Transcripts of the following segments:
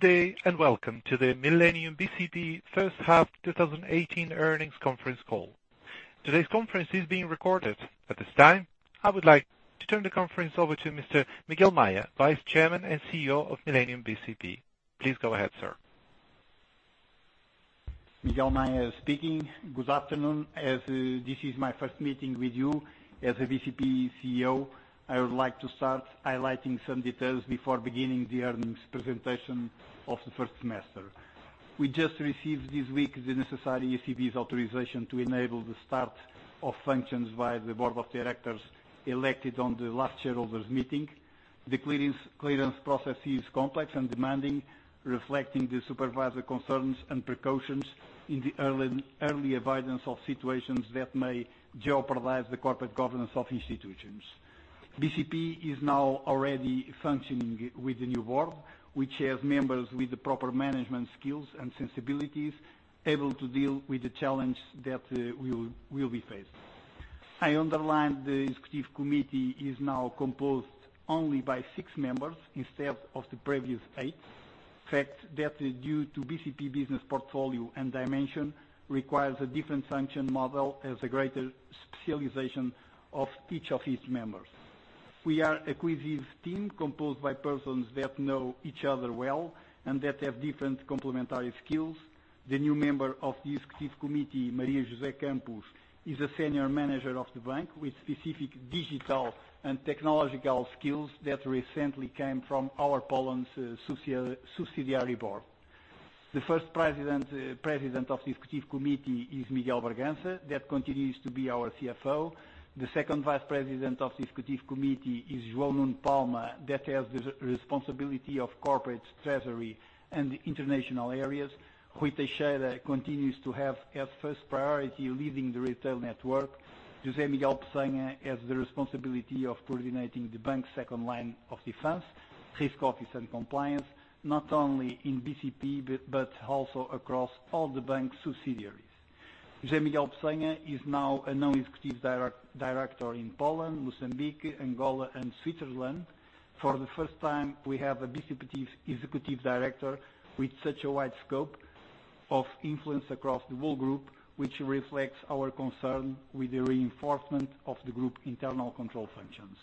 Good day, and welcome to the Millennium bcp first half 2018 earnings conference call. Today's conference is being recorded. At this time, I would like to turn the conference over to Mr. Miguel Maya, Vice Chairman and CEO of Millennium bcp. Please go ahead, sir. Miguel Maya speaking. Good afternoon. As this is my first meeting with you as a bcp CEO, I would like to start highlighting some details before beginning the earnings presentation of the first semester. We just received this week the necessary ECB's authorization to enable the start of functions by the board of directors elected on the last shareholders meeting. The clearance process is complex and demanding, reflecting the supervisor concerns and precautions in the early evidence of situations that may jeopardize the corporate governance of institutions. bcp is now already functioning with the new board, which has members with the proper management skills and sensibilities able to deal with the challenge that will be faced. I underline the Executive Committee is now composed only by six members instead of the previous eight. In fact, that is due to bcp business portfolio and dimension requires a different function model as a greater specialization of each of its members. We are a cohesive team composed by persons that know each other well and that have different complementary skills. The new member of the Executive Committee, Maria José Campos, is a senior manager of the bank with specific digital and technological skills that recently came from our Poland subsidiary board. The first President of the Executive Committee is Miguel Bragança, that continues to be our CFO. The second Vice President of the Executive Committee is João Nuno Palma, that has the responsibility of corporate treasury and the international areas. Rui Teixeira continues to have as first priority leading the retail network. José Miguel Pessanha has the responsibility of coordinating the bank's second line of defense, risk office, and compliance, not only in bcp, but also across all the bank subsidiaries. José Miguel Pessanha is now a non-executive director in Poland, Mozambique, Angola, and Switzerland. For the first time, we have a bcp Executive Director with such a wide scope of influence across the whole group, which reflects our concern with the reinforcement of the group internal control functions.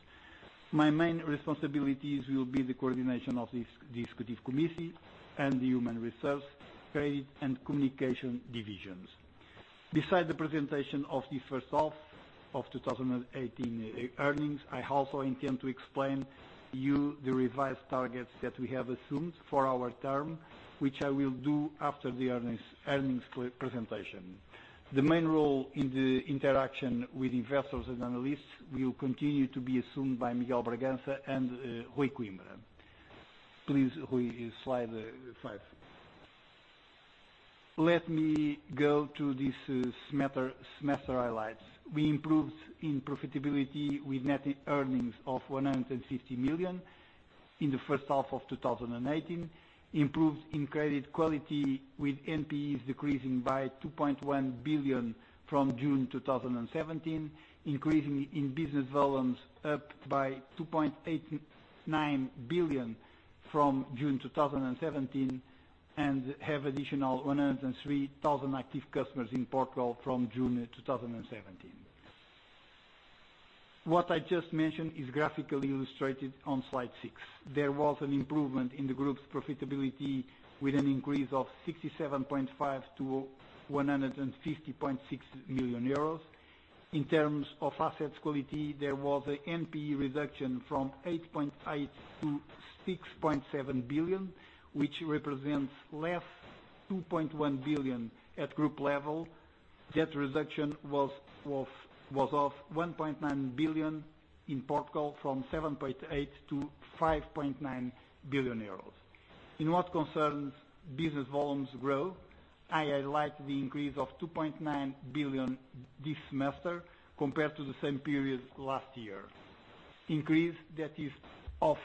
My main responsibilities will be the coordination of the Executive Committee and the human resource, trade, and communication divisions. Beside the presentation of the first half of 2018 earnings, I also intend to explain you the revised targets that we have assumed for our term, which I will do after the earnings presentation. The main role in the interaction with investors and analysts will continue to be assumed by Miguel Bragança and Rui Coimbra. Please, Rui, slide five. Let me go to this semester highlights. We improved in profitability with net earnings of 150 million in the first half of 2018, improved in credit quality with NPEs decreasing by 2.1 billion from June 2017, increasing in business volumes up by 2.89 billion from June 2017, and have additional 103,000 active customers in Portugal from June 2017. What I just mentioned is graphically illustrated on slide six. There was an improvement in the group's profitability with an increase of 67.5 million to 150.6 million euros. In terms of assets quality, there was a NPE reduction from 8.8 billion to 6.7 billion, which represents less 2.1 billion at group level. That reduction was of 1.9 billion in Portugal from 7.8 billion to 5.9 billion euros. In what concerns business volumes growth, I highlight the increase of 2.9 billion this semester compared to the same period last year. Increase that is of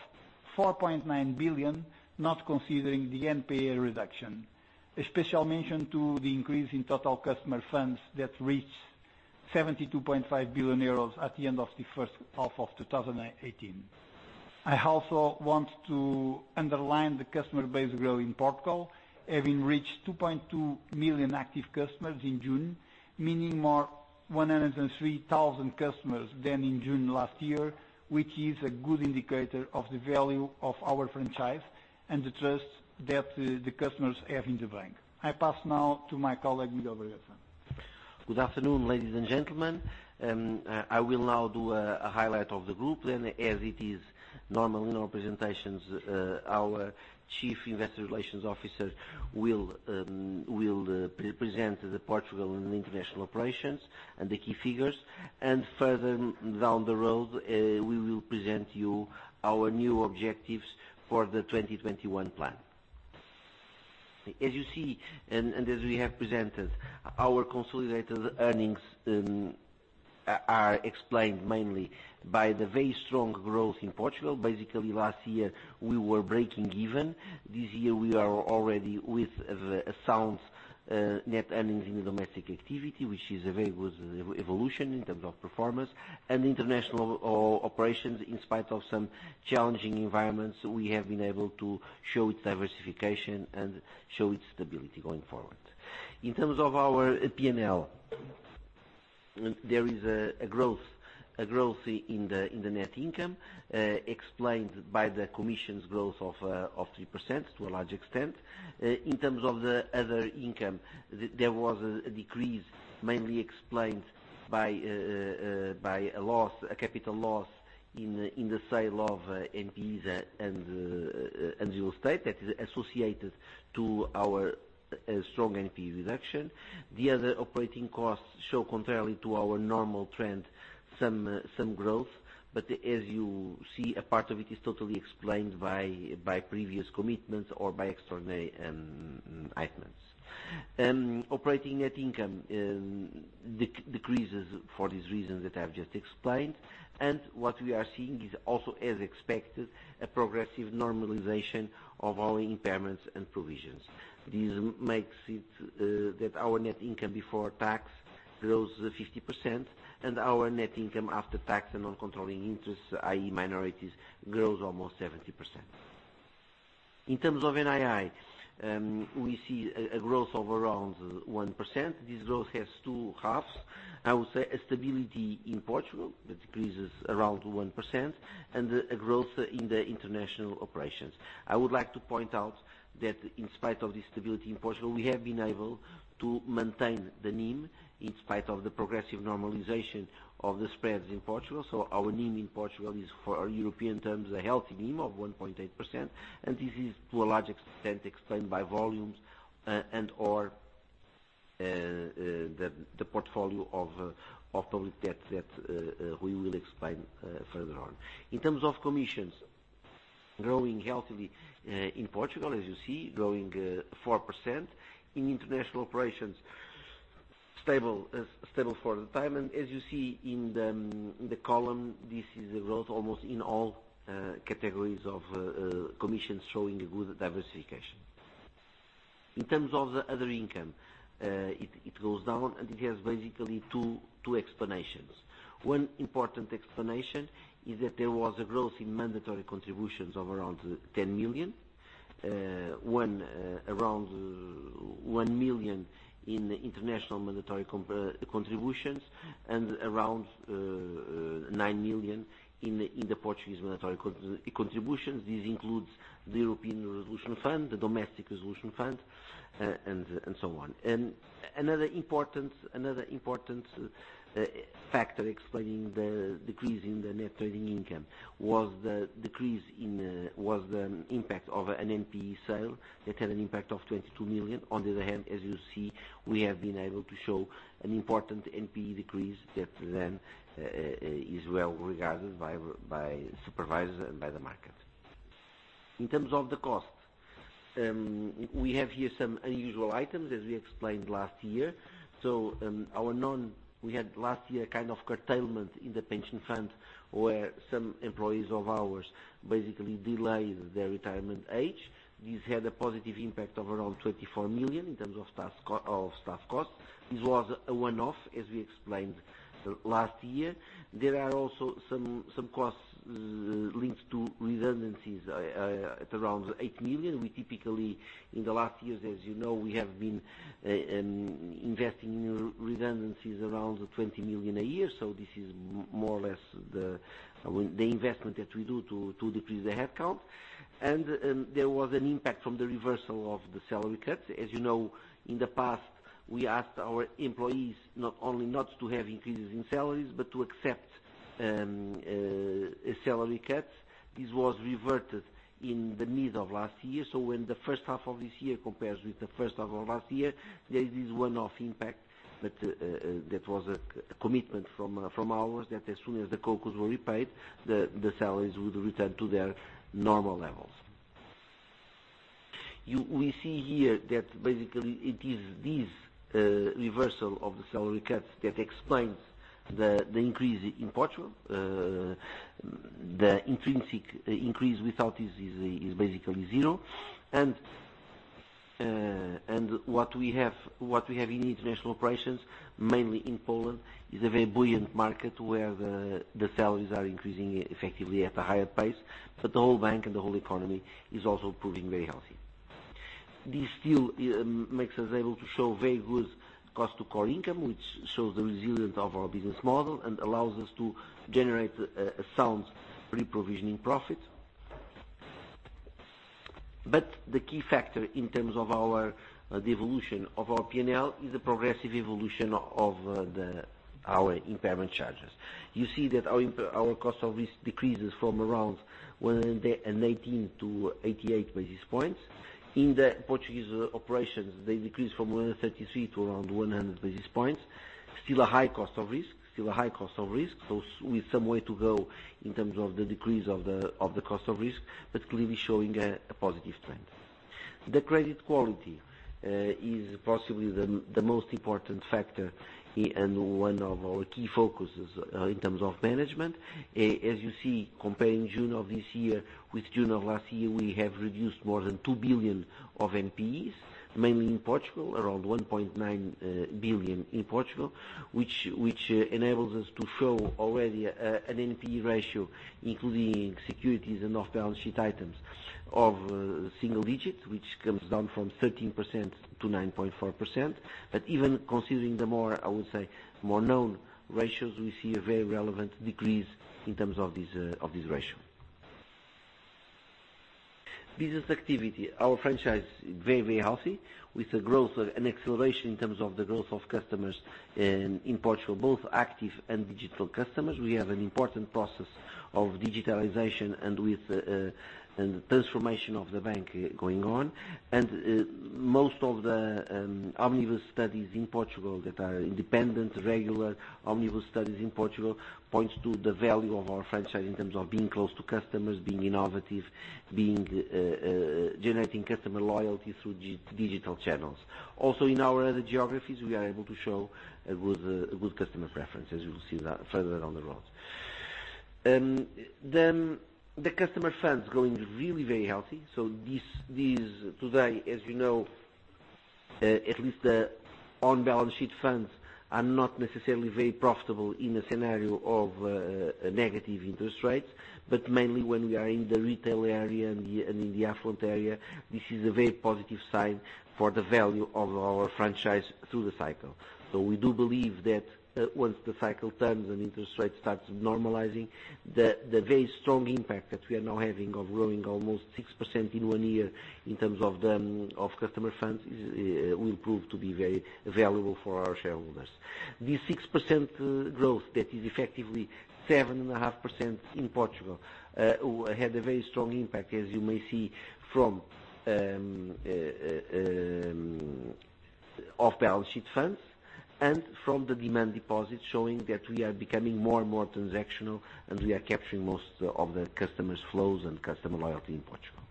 4.9 billion, not considering the NPA reduction. A special mention to the increase in total customer funds that reached 72.5 billion euros at the end of the first half of 2018. I also want to underline the customer base growth in Portugal, having reached 2.2 million active customers in June, meaning more 103,000 customers than in June last year, which is a good indicator of the value of our franchise and the trust that the customers have in the bank. I pass now to my colleague, Miguel Bragança. Good afternoon, ladies and gentlemen. I will now do a highlight of the group as it is normal in our presentations, our Chief Investor Relations Officer will present the Portugal and international operations and the key figures. Further down the road, we will present you our new objectives for the 2021 plan. As you see, as we have presented, our consolidated earnings are explained mainly by the very strong growth in Portugal. Basically, last year, we were breaking even. This year, we are already with a sound net earnings in the domestic activity, which is a very good evolution in terms of performance. International operations, in spite of some challenging environments, we have been able to show its diversification and show its stability going forward. In terms of our P&L, there is a growth in the net income explained by the commission's growth of 3% to a large extent. In terms of the other income, there was a decrease mainly explained by a capital loss in the sale of NPEs and real estate that is associated to our strong NPE reduction. The other operating costs show contrarily to our normal trend, some growth. As you see, a part of it is totally explained by previous commitments or by extraordinary items. Operating Net Income decreases for these reasons that I've just explained. What we are seeing is also as expected, a progressive normalization of our impairments and provisions. This makes it that our net income before tax grows 50% and our net income after tax and non-controlling interest, i.e. minorities, grows almost 70%. In terms of NII, we see a growth of around 1%. This growth has two halves. I would say a stability in Portugal that decreases around 1% and a growth in the international operations. I would like to point out that in spite of the stability in Portugal, we have been able to maintain the NIM in spite of the progressive normalization of the spreads in Portugal. Our NIM in Portugal is for European terms, a healthy NIM of 1.8%, and this is to a large extent explained by volumes and/or the portfolio of public debt that we will explain further on. In terms of commissions, growing healthily in Portugal, as you see, growing 4%. In international operations, stable for the time. As you see in the column, this is a growth almost in all categories of commissions showing a good diversification. In terms of the other income, it goes down and it has basically two explanations. One important explanation is that there was a growth in mandatory contributions of around 10 million. One around 1 million in international mandatory contributions and around 9 million in the Portuguese mandatory contributions. This includes the Single Resolution Fund, the Fundo de Resolução, and so on. Another important factor explaining the decrease in the net trading income was the impact of an NPE sale that had an impact of 22 million. On the other hand, as you see, we have been able to show an important NPE decrease that then is well-regarded by supervisors and by the market. In terms of the cost, we have here some unusual items as we explained last year. We had last year kind of curtailment in the pension fund where some employees of ours basically delayed their retirement age. This had a positive impact of around 24 million in terms of staff cost. This was a one-off, as we explained last year. There are also some costs linked to redundancies at around 8 million. We typically, in the last years, as you know, we have been investing in redundancies around 20 million a year. This is more or less the investment that we do to decrease the headcount. There was an impact from the reversal of the salary cuts. As you know, in the past, we asked our employees not only not to have increases in salaries, but to accept a salary cut. This was reverted in the mid of last year. When the first half of this year compares with the first half of last year, there is this one-off impact, but that was a commitment from ours that as soon as the CoCos were repaid, the salaries would return to their normal levels. We see here that basically it is this reversal of the salary cuts that explains the increase in Portugal. The intrinsic increase without it is basically 0. What we have in international operations, mainly in Poland, is a very buoyant market where the salaries are increasing effectively at a higher pace, but the whole bank and the whole economy is also proving very healthy. This still makes us able to show very good cost to core income, which shows the resilience of our business model and allows us to generate a sound pre-provisioning profit. The key factor in terms of the evolution of our P&L is the progressive evolution of our impairment charges. You see that our cost of risk decreases from around 118 to 88 basis points. In the Portuguese operations, they decrease from 133 to around 100 basis points. Still a high cost of risk, with some way to go in terms of the decrease of the cost of risk, but clearly showing a positive trend. The credit quality is possibly the most important factor and one of our key focuses in terms of management. As you see, comparing June of this year with June of last year, we have reduced more than 2 billion of NPEs, mainly in Portugal, around 1.9 billion in Portugal, which enables us to show already an NPE ratio, including securities and off-balance sheet items of single digits, which comes down from 13% to 9.4%. Even considering the more, I would say, more known ratios, we see a very relevant decrease in terms of this ratio. Business activity. Our franchise is very healthy with an acceleration in terms of the growth of customers in Portugal, both active and digital customers. We have an important process of digitalization and with the transformation of the bank going on. Most of the omnibus studies in Portugal that are independent, regular omnibus studies in Portugal, points to the value of our franchise in terms of being close to customers, being innovative, generating customer loyalty through digital channels. Also in our other geographies, we are able to show a good customer reference, as you will see further down the road. The customer funds growing really very healthy. These, today, as you know, at least the on-balance sheet funds, are not necessarily very profitable in a scenario of negative interest rates, but mainly when we are in the retail area and in the affluent area, this is a very positive sign for the value of our franchise through the cycle. We do believe that once the cycle turns and interest rates start normalizing, the very strong impact that we are now having of growing almost 6% in one year in terms of customer funds, will prove to be very valuable for our shareholders. This 6% growth, that is effectively 7.5% in Portugal, had a very strong impact, as you may see from off-balance sheet funds and from the demand deposits, showing that we are becoming more and more transactional and we are capturing most of the customers' flows and customer loyalty in Portugal.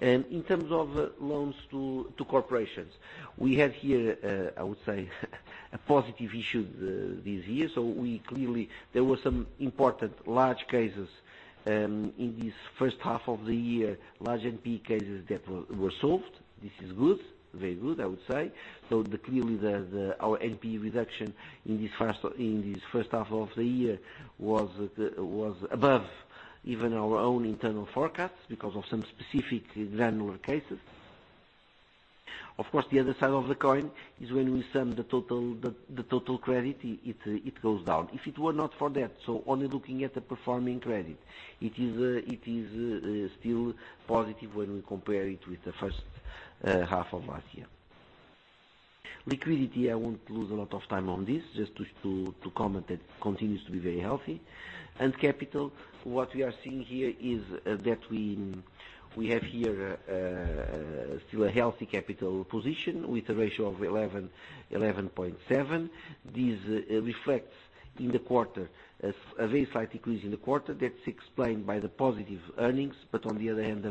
In terms of loans to corporations, we have here, I would say, a positive issue this year. Clearly, there were some important large cases in this first half of the year, large NP cases that were solved. This is good. Very good, I would say. Clearly, our NP reduction in this first half of the year was above even our own internal forecasts because of some specific granular cases. Of course, the other side of the coin is when we sum the total credit, it goes down. If it were not for that, so only looking at the performing credit, it is still positive when we compare it with the first half of last year. Liquidity, I won't lose a lot of time on this, just to comment that continues to be very healthy. Capital, what we are seeing here is that we have here still a healthy capital position with a ratio of 11.7. This reflects in the quarter, a very slight decrease in the quarter that is explained by the positive earnings, but on the other hand,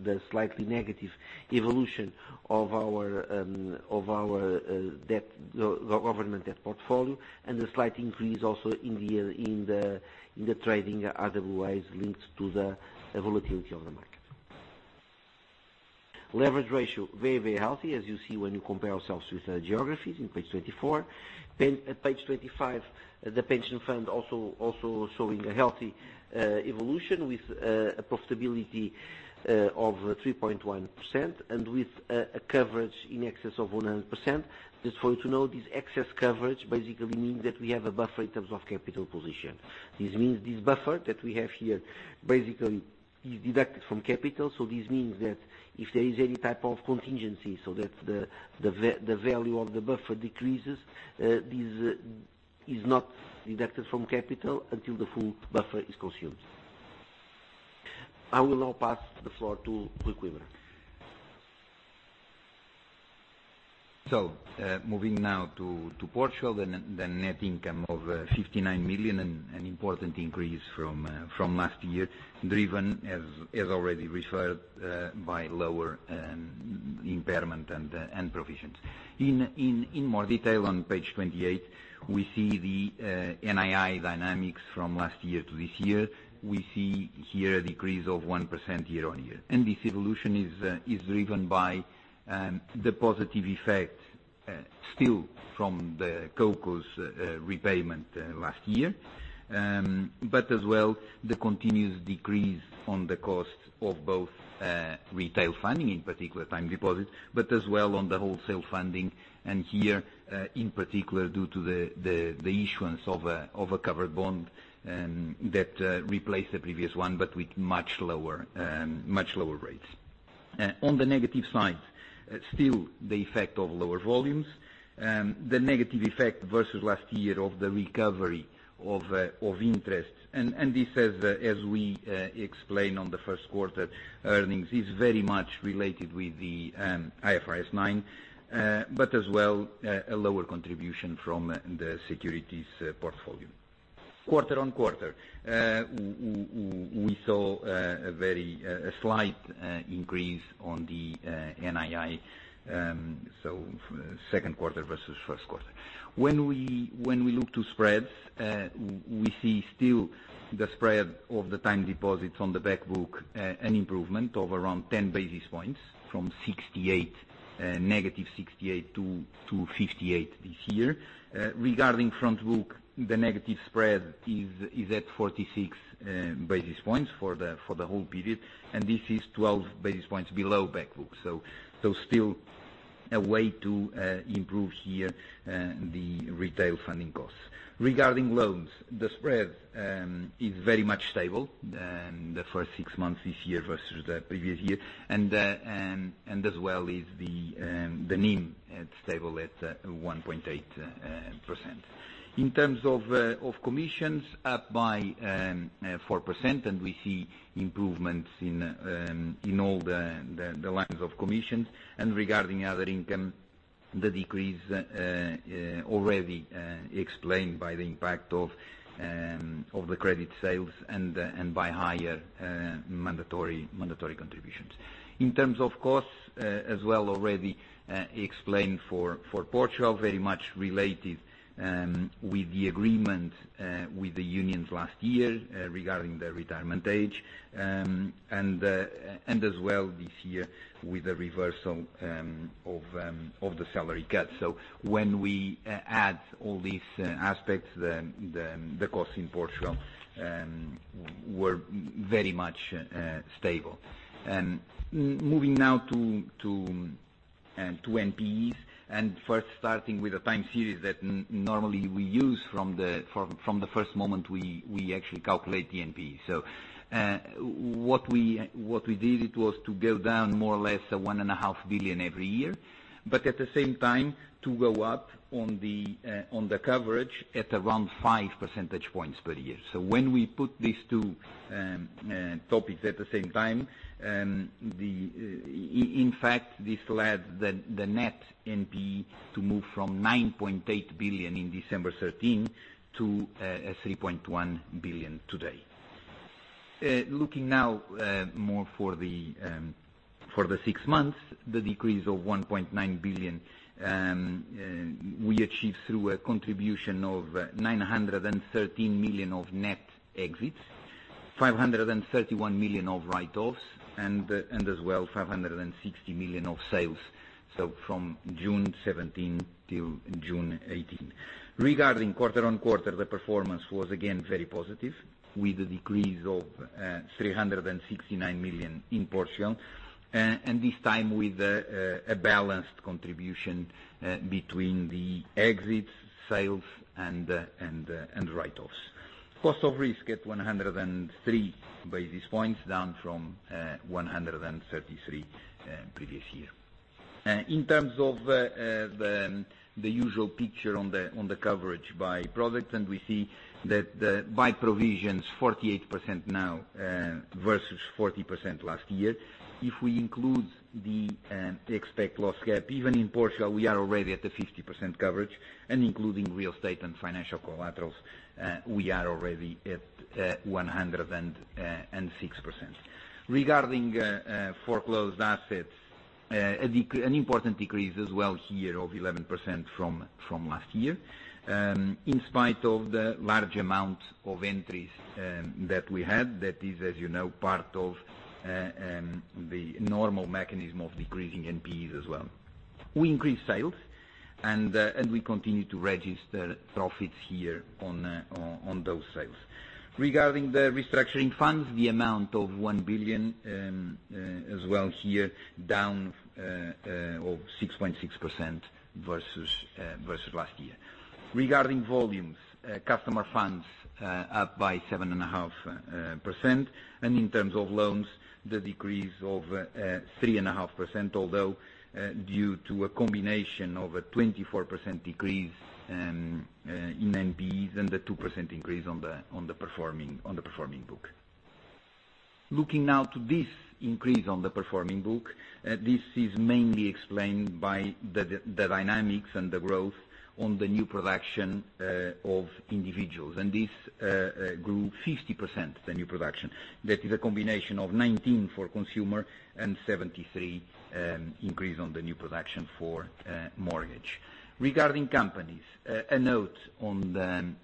the slightly negative evolution of our government debt portfolio and the slight increase also in the trading RWAs linked to the volatility of the market. Leverage ratio, very healthy as you see when you compare ourselves with the geographies on page 24. Page 25, the pension fund also showing a healthy evolution with a profitability of 3.1% and with a coverage in excess of 100%. Just for you to know, this excess coverage basically means that we have a buffer in terms of capital position. This means this buffer that we have here basically is deducted from capital, this means that if there is any type of contingency, that the value of the buffer decreases, this is not deducted from capital until the full buffer is consumed. I will now pass the floor to Rui Coimbra. Moving now to Portugal, the net income of 59 million, an important increase from last year, driven, as already referred, by lower impairment and provisions. In more detail on page 28, we see the NII dynamics from last year to this year. We see here a decrease of 1% year-on-year. This evolution is driven by the positive effect still from the CoCos repayment last year. As well, the continuous decrease on the cost of both retail funding, in particular time deposits, as well on the wholesale funding, and here, in particular, due to the issuance of a covered bond that replaced the previous one, but with much lower rates. On the negative side, still the effect of lower volumes. The negative effect versus last year of the recovery of interests, this as we explained on the first quarter earnings, is very much related with the IFRS 9, as well, a lower contribution from the securities portfolio. Quarter-on-quarter, we saw a slight increase on the NII, second quarter versus first quarter. When we look to spreads, we see still the spread of the time deposits on the back book, an improvement of around 10 basis points from -68 to 58 this year. Regarding front book, the negative spread is at 46 basis points for the whole period, and this is 12 basis points below back book. Still a way to improve here the retail funding costs. Regarding loans, the spread is very much stable the first six months this year versus the previous year, as well is the NIM stable at 1.8%. In terms of commissions, up by 4%. We see improvements in all the lines of commissions. Regarding other income, the decrease already explained by the impact of the credit sales and by higher mandatory contributions. In terms of costs, as well, already explained for Portugal, very much related with the agreement with the unions last year regarding the retirement age, and as well this year with the reversal of the salary cuts. When we add all these aspects, the costs in Portugal were very much stable. Moving now to NPEs, first starting with a time series that normally we use from the first moment we actually calculate the NPE. What we did, it was to go down more or less 1.5 billion every year, but at the same time to go up on the coverage at around 5 percentage points per year. When we put these two topics at the same time, in fact, this led the net NPE to move from 9.8 billion in December 2013 to 3.1 billion today. Looking now more for the six months, the decrease of 1.9 billion we achieved through a contribution of 913 million of net exits, 531 million of write-offs, and as well, 560 million of sales, so from June 2017 till June 2018. Regarding quarter-on-quarter, the performance was again very positive with a decrease of 369 million in Portugal. This time with a balanced contribution between the exits, sales, and write-offs. Cost of risk at 103 basis points, down from 133 previous year. In terms of the usual picture on the coverage by product, we see that by provisions, 48% now versus 40% last year. If we include the expect loss gap, even in Portugal, we are already at the 50% coverage, and including real estate and financial collaterals, we are already at 106%. Regarding foreclosed assets, an important decrease as well here of 11% from last year, in spite of the large amount of entries that we had, that is, as you know, part of the normal mechanism of decreasing NPEs as well. We increased sales. We continue to register profits here on those sales. Regarding the restructuring funds, the amount of 1 billion, as well here, down of 6.6% versus last year. Regarding volumes, customer funds up by 7.5%. In terms of loans, the decrease of 3.5%, although due to a combination of a 24% decrease in NPEs and a 2% increase on the performing book. Looking now to this increase on the performing book, this is mainly explained by the dynamics and the growth on the new production of individuals. This grew 50%, the new production. That is a combination of 19 for consumer and 73 increase on the new production for mortgage. Regarding companies, a note on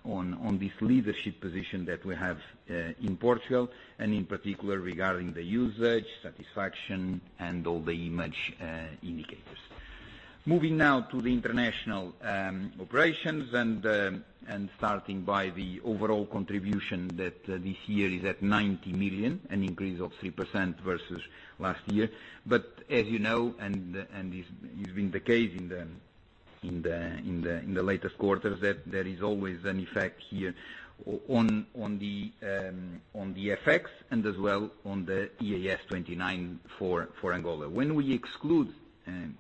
this leadership position that we have in Portugal. In particular regarding the usage, satisfaction, and all the image indicators. Starting by the overall contribution that this year is at 90 million, an increase of 3% versus last year. As you know, and this has been the case in the latest quarters, that there is always an effect here on the FX and as well on the IAS 29 for Angola. When we exclude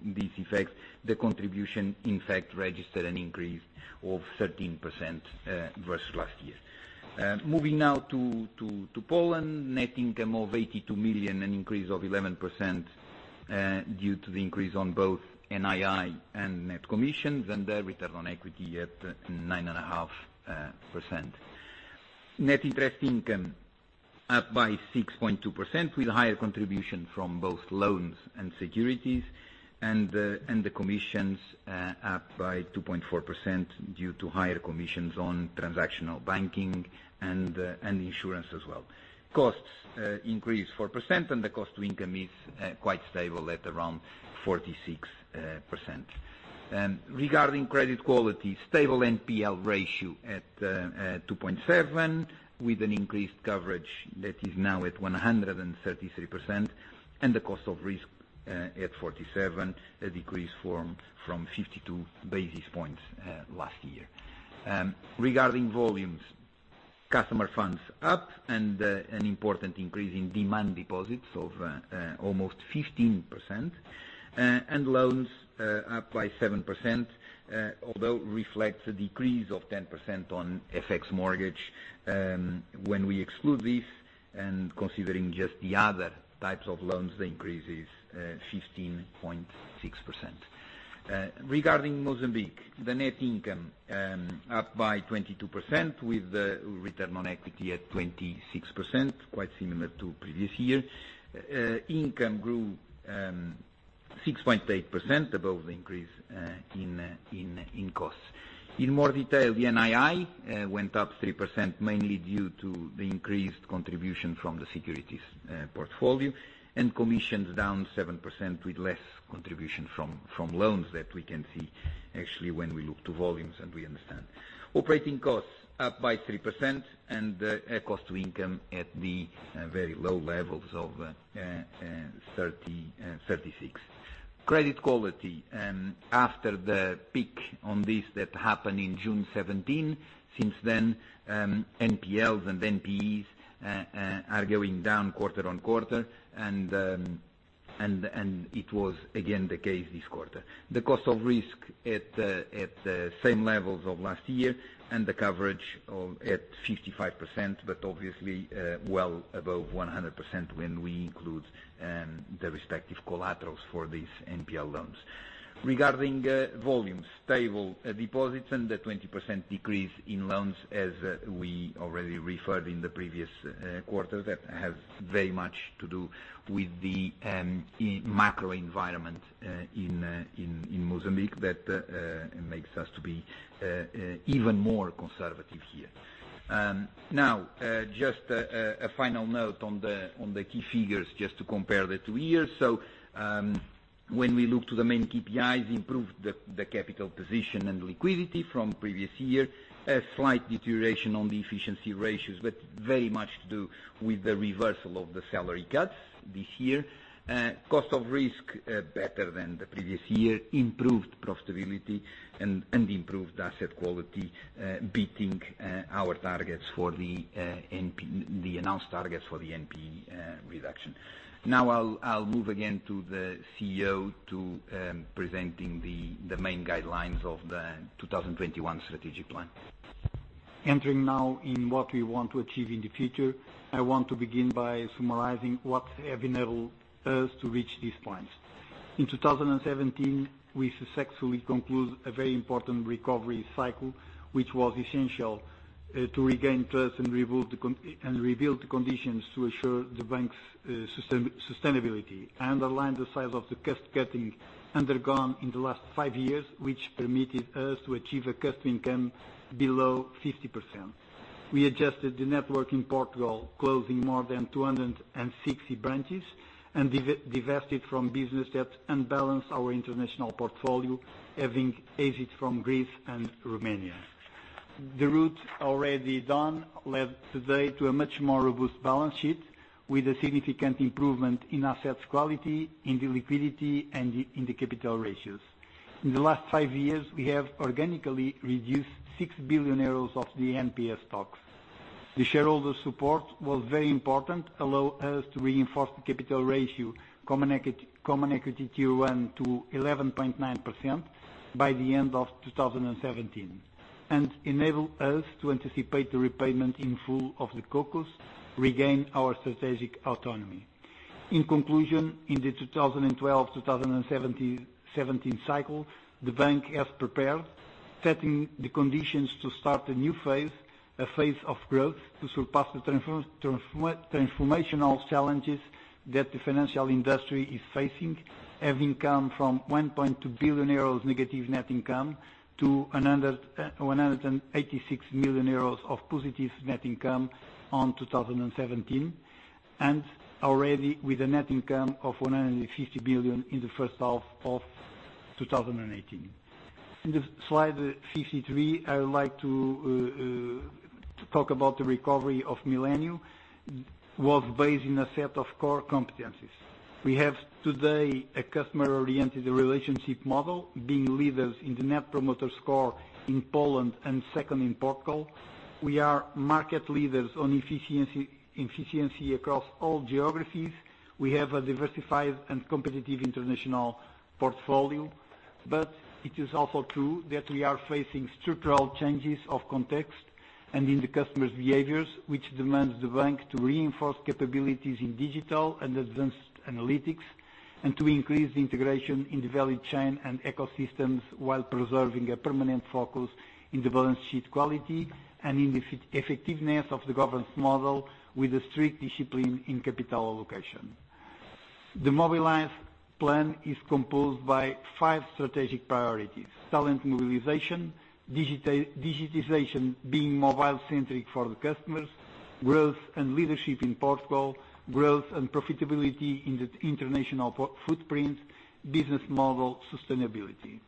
these effects, the contribution in fact registered an increase of 13% versus last year. Moving now to Poland, net income of 82 million, an increase of 11% due to the increase on both NII and net commissions, the return on equity at 9.5%. Net interest income up by 6.2% with higher contribution from both loans and securities, the commissions up by 2.4% due to higher commissions on transactional banking and insurance as well. Costs increased 4%, the cost to income is quite stable at around 46%. Regarding credit quality, stable NPL ratio at 2.7%, with an increased coverage that is now at 133%, the cost of risk at 47 basis points, a decrease from 52 basis points last year. Regarding volumes, customer funds up an important increase in demand deposits of almost 15%. Loans are up by 7%, although reflects a decrease of 10% on FX mortgage. When we exclude this considering just the other types of loans, the increase is 15.6%. Regarding Mozambique, the net income up by 22% with the return on equity at 26%, quite similar to previous year. Income grew 6.8% above the increase in costs. In more detail, the NII went up 3%, mainly due to the increased contribution from the securities portfolio commissions down 7% with less contribution from loans that we can see actually when we look to volumes and we understand. Operating costs up by 3% cost to income at the very low levels of 36%. Credit quality. After the peak on this that happened in June 2017, since then, NPLs and NPEs are going down quarter-on-quarter and it was again the case this quarter. The cost of risk at the same levels of last year the coverage at 55%, but obviously, well above 100% when we include the respective collaterals for these NPL loans. Regarding volume, stable deposits a 20% decrease in loans as we already referred in the previous quarters, that has very much to do with the macro environment in Mozambique that makes us to be even more conservative here. Just a final note on the key figures just to compare the two years. When we look to the main KPIs, improved the capital position and liquidity from previous year. A slight deterioration on the efficiency ratios, very much to do with the reversal of the salary cuts this year. Cost of risk better than the previous year, improved profitability improved asset quality, beating our targets for the NPE, the announced targets for the NPE reduction. I'll move again to the CEO to presenting the main guidelines of the 2021 strategic plan. Entering now in what we want to achieve in the future, I want to begin by summarizing what have enabled us to reach these points. In 2017, we successfully conclude a very important recovery cycle, which was essential to regain trust and rebuild the conditions to assure the bank's sustainability, underline the size of the cost-cutting undergone in the last five years, which permitted us to achieve a cost income below 50%. We adjusted the network in Portugal, closing more than 260 branches and divested from business debt and balance our international portfolio having exit from Greece and Romania. The route already done led today to a much more robust balance sheet with a significant improvement in assets quality, in the liquidity and in the capital ratios. In the last five years, we have organically reduced 6 billion euros of the NPE stocks. The shareholder support was very important, allow us to reinforce the capital ratio Common Equity Tier 1 to 11.9% by the end of 2017 and enable us to anticipate the repayment in full of the CoCos, regain our strategic autonomy. In conclusion, in the 2012-2017 cycle, the bank has prepared, setting the conditions to start a new phase, a phase of growth to surpass the transformational challenges that the financial industry is facing, having come from 1.2 billion euros negative net income to 186 million euros of positive net income on 2017, and already with a net income of 150 million in the first half of 2018. In the slide 53, I would like to talk about the recovery of Millennium, was based in a set of core competencies. We have today a customer-oriented relationship model, being leaders in the Net Promoter Score in Poland and second in Portugal. We are market leaders on efficiency across all geographies. We have a diversified and competitive international portfolio. It is also true that we are facing structural changes of context and in the customer's behaviors, which demands the bank to reinforce capabilities in digital and advanced analytics and to increase the integration in the value chain and ecosystems while preserving a permanent focus in the balance sheet quality and in the effectiveness of the governance model with a strict discipline in capital allocation. The Mobilize plan is composed by five strategic priorities: talent mobilization, digitization being mobile-centric for the customers Growth and leadership in Portugal. Growth and profitability in the international footprint business model sustainability.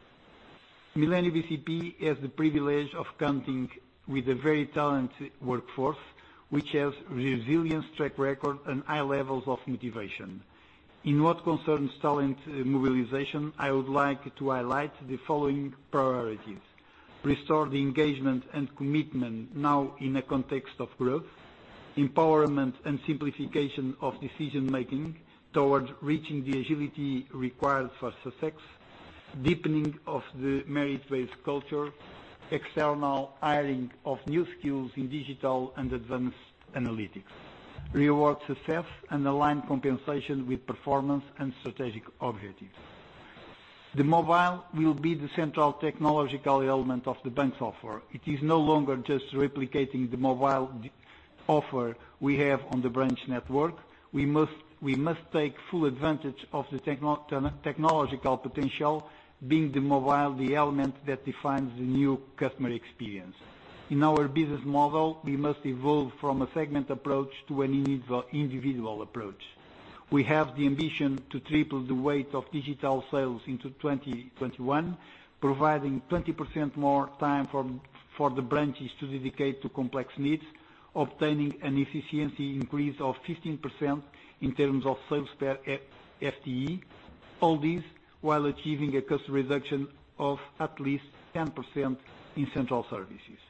Millennium bcp has the privilege of counting with a very talented workforce, which has resilience, track record, and high levels of motivation. In what concerns talent mobilization, I would like to highlight the following priorities: restore the engagement and commitment now in a context of growth, empowerment and simplification of decision-making towards reaching the agility required for success, deepening of the merit-based culture, external hiring of new skills in digital and advanced analytics, reward success, and align compensation with performance and strategic objectives. The mobile will be the central technological element of the bank's offer. It is no longer just replicating the mobile offer we have on the branch network. We must take full advantage of the technological potential, being the mobile the element that defines the new customer experience. In our business model, we must evolve from a segment approach to an individual approach. We have the ambition to triple the weight of digital sales into 2021, providing 20% more time for the branches to dedicate to complex needs, obtaining an efficiency increase of 15% in terms of sales per FTE. All this while achieving a cost reduction of at least 10% in central services.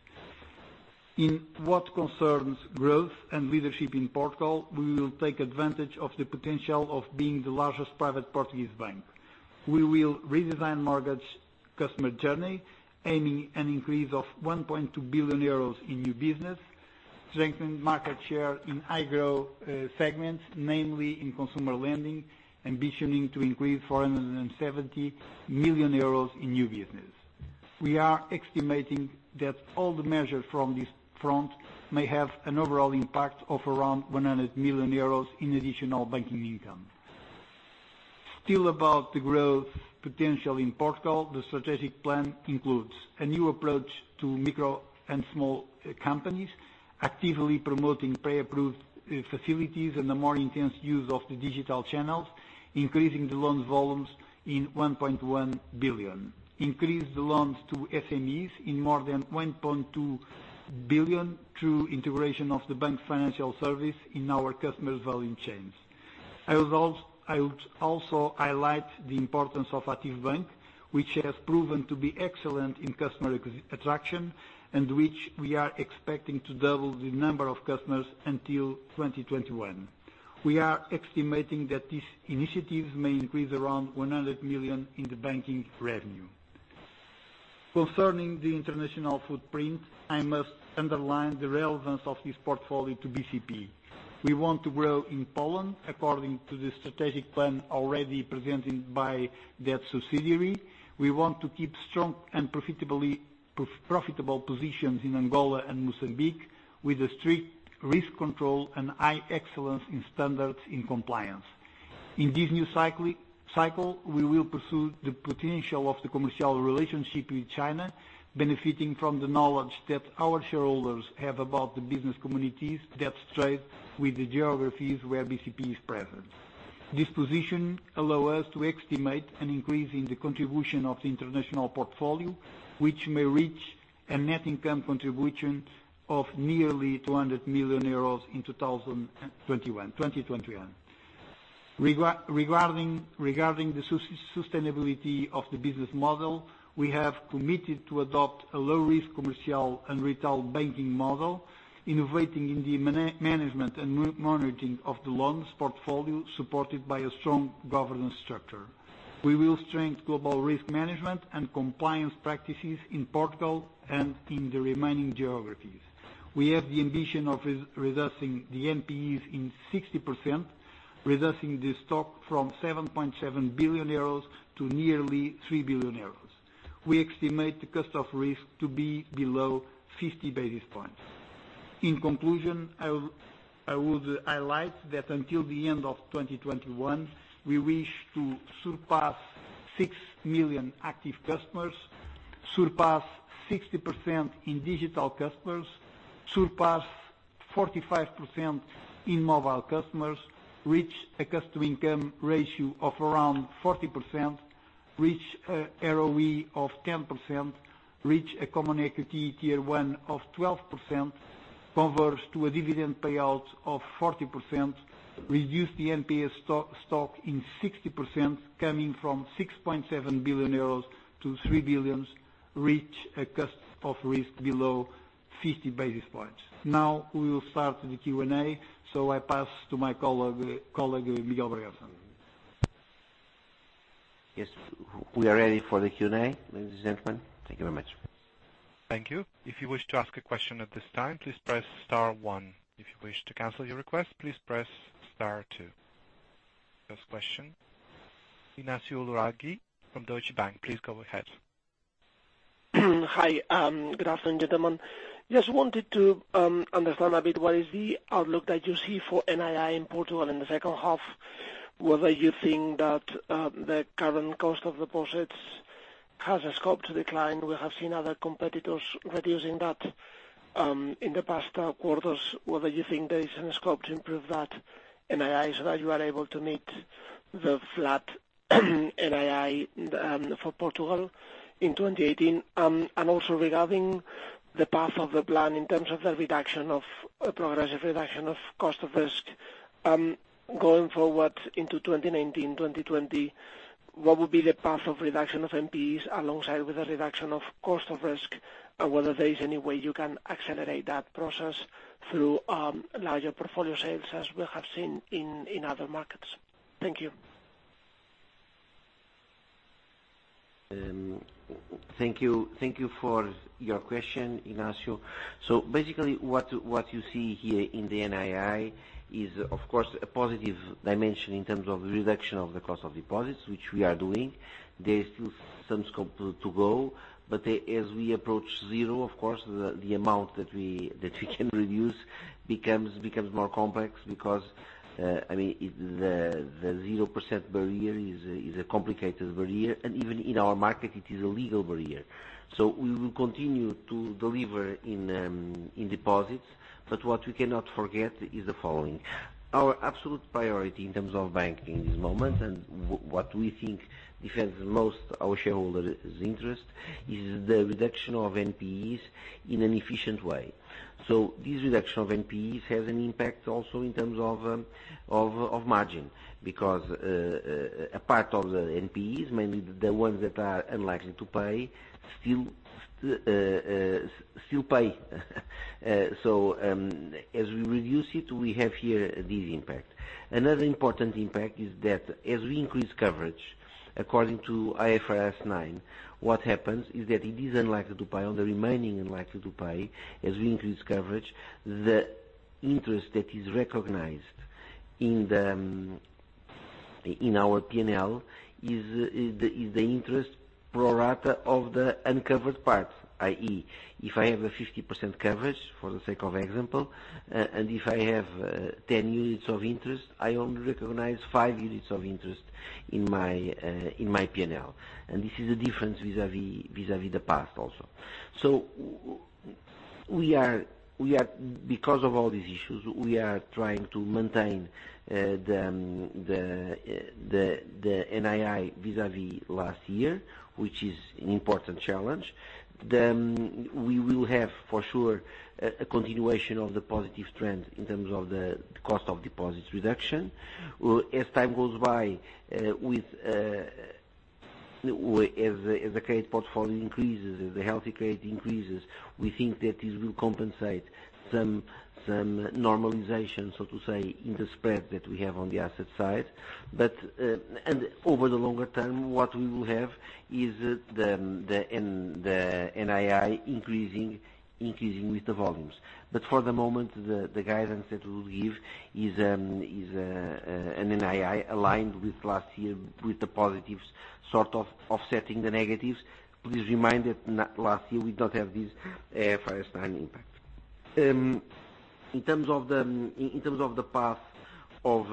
In what concerns growth and leadership in Portugal, we will take advantage of the potential of being the largest private Portuguese bank. We will redesign mortgage customer journey, aiming an increase of 1.2 billion euros in new business, strengthen market share in high growth segments, namely in consumer lending, ambitioning to increase 470 million euros in new business. We are estimating that all the measures from this front may have an overall impact of around 100 million euros in additional banking income. Still about the growth potential in Portugal, the strategic plan includes a new approach to micro and small companies, actively promoting pre-approved facilities and the more intense use of the digital channels, increasing the loans volumes in 1.1 billion. Increase the loans to SMEs in more than 1.2 billion through integration of the bank financial service in our customers' value chains. I would also highlight the importance of ActivoBank, which has proven to be excellent in customer acquisition and which we are expecting to double the number of customers until 2021. We are estimating that these initiatives may increase around 100 million in the banking revenue. Concerning the international footprint, I must underline the relevance of this portfolio to BCP. We want to grow in Poland according to the strategic plan already presented by that subsidiary. We want to keep strong and profitable positions in Angola and Mozambique with a strict risk control and high excellence in standards in compliance. In this new cycle, we will pursue the potential of the commercial relationship with China, benefiting from the knowledge that our shareholders have about the business communities that trade with the geographies where BCP is present. This position allow us to estimate an increase in the contribution of the international portfolio, which may reach a net income contribution of nearly 200 million euros in 2021. Regarding the sustainability of the business model, we have committed to adopt a low-risk commercial and retail banking model, innovating in the management and monitoring of the loans portfolio, supported by a strong governance structure. We will strengthen global risk management and compliance practices in Portugal and in the remaining geographies. We have the ambition of reducing the NPEs in 60%, reducing the stock from 6.7 billion euros to nearly 3 billion euros. We estimate the cost of risk to be below 50 basis points. In conclusion, I would highlight that until the end of 2021, we wish to surpass 6 million active customers, surpass 60% in digital customers, surpass 45% in mobile customers, reach a customer income ratio of around 40%, reach a ROE of 10%, reach a Common Equity Tier 1 of 12%, converge to a dividend payout of 40%, reduce the NPA stock in 60%, coming from 6.7 billion euros to 3 billion, reach a cost of risk below 50 basis points. We will start the Q&A. I pass to my colleague, Miguel Bragança. Yes. We are ready for the Q&A, ladies and gentlemen. Thank you very much. Thank you. If you wish to ask a question at this time, please press star one. If you wish to cancel your request, please press star two. First question, Ignacio Ulargui from Deutsche Bank. Please go ahead. Hi. Good afternoon, gentlemen. Just wanted to understand a bit what is the outlook that you see for NII in Portugal in the second half? Whether you think that the current cost of deposits has the scope to decline. We have seen other competitors reducing that in the past quarters. Whether you think there is any scope to improve that NII so that you are able to meet the flat NII for Portugal in 2018? Regarding the path of the plan in terms of the progressive reduction of cost of risk, going forward into 2019, 2020, what would be the path of reduction of NPEs alongside with the reduction of cost of risk? Whether there is any way you can accelerate that process through larger portfolio sales as we have seen in other markets. Thank you. Thank you for your question, Ignacio. Basically what you see here in the NII is, of course, a positive dimension in terms of reduction of the cost of deposits, which we are doing. There is still some scope to go, but as we approach 0, of course, the amount that we can reduce becomes more complex because the 0% barrier is a complicated barrier. Even in our market, it is a legal barrier. We will continue to deliver in deposits, but what we cannot forget is the following. Our absolute priority in terms of banking this moment, and what we think defends the most our shareholders' interest is the reduction of NPEs in an efficient way. This reduction of NPEs has an impact also in terms of margin, because a part of the NPEs, mainly the ones that are unlikely to pay, still pay. As we reduce it, we have here this impact. Another important impact is that as we increase coverage according to IFRS 9, what happens is that it is unlikely to pay on the remaining unlikely to pay as we increase coverage, the interest that is recognized in our P&L is the interest pro rata of the uncovered part, i.e., if I have a 50% coverage, for the sake of example, and if I have 10 units of interest, I only recognize five units of interest in my P&L. This is the difference vis-a-vis the past also. Because of all these issues, we are trying to maintain the NII vis-a-vis last year, which is an important challenge. We will have, for sure, a continuation of the positive trend in terms of the cost of deposits reduction. As time goes by, as the credit portfolio increases, as the healthy credit increases, we think that this will compensate some normalization, so to say, in the spread that we have on the asset side. Over the longer term, what we will have is the NII increasing with the volumes. For the moment, the guidance that we give is an NII aligned with last year with the positives offsetting the negatives. Please remind that last year we did not have this IFRS 9 impact. In terms of the path of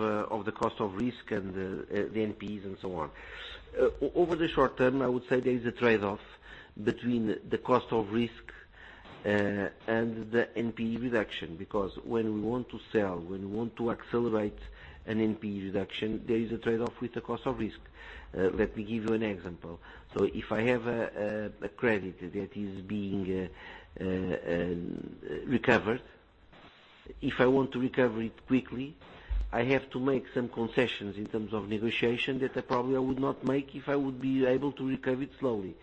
the cost of risk and the NPEs and so on. Over the short term, I would say there is a trade-off between the cost of risk and the NPE reduction, because when we want to sell, when we want to accelerate an NPE reduction, there is a trade-off with the cost of risk. Let me give you an example. If I have a credit that is being recovered, if I want to recover it quickly, I have to make some concessions in terms of negotiation that I probably would not make if I would be able to recover it slowly.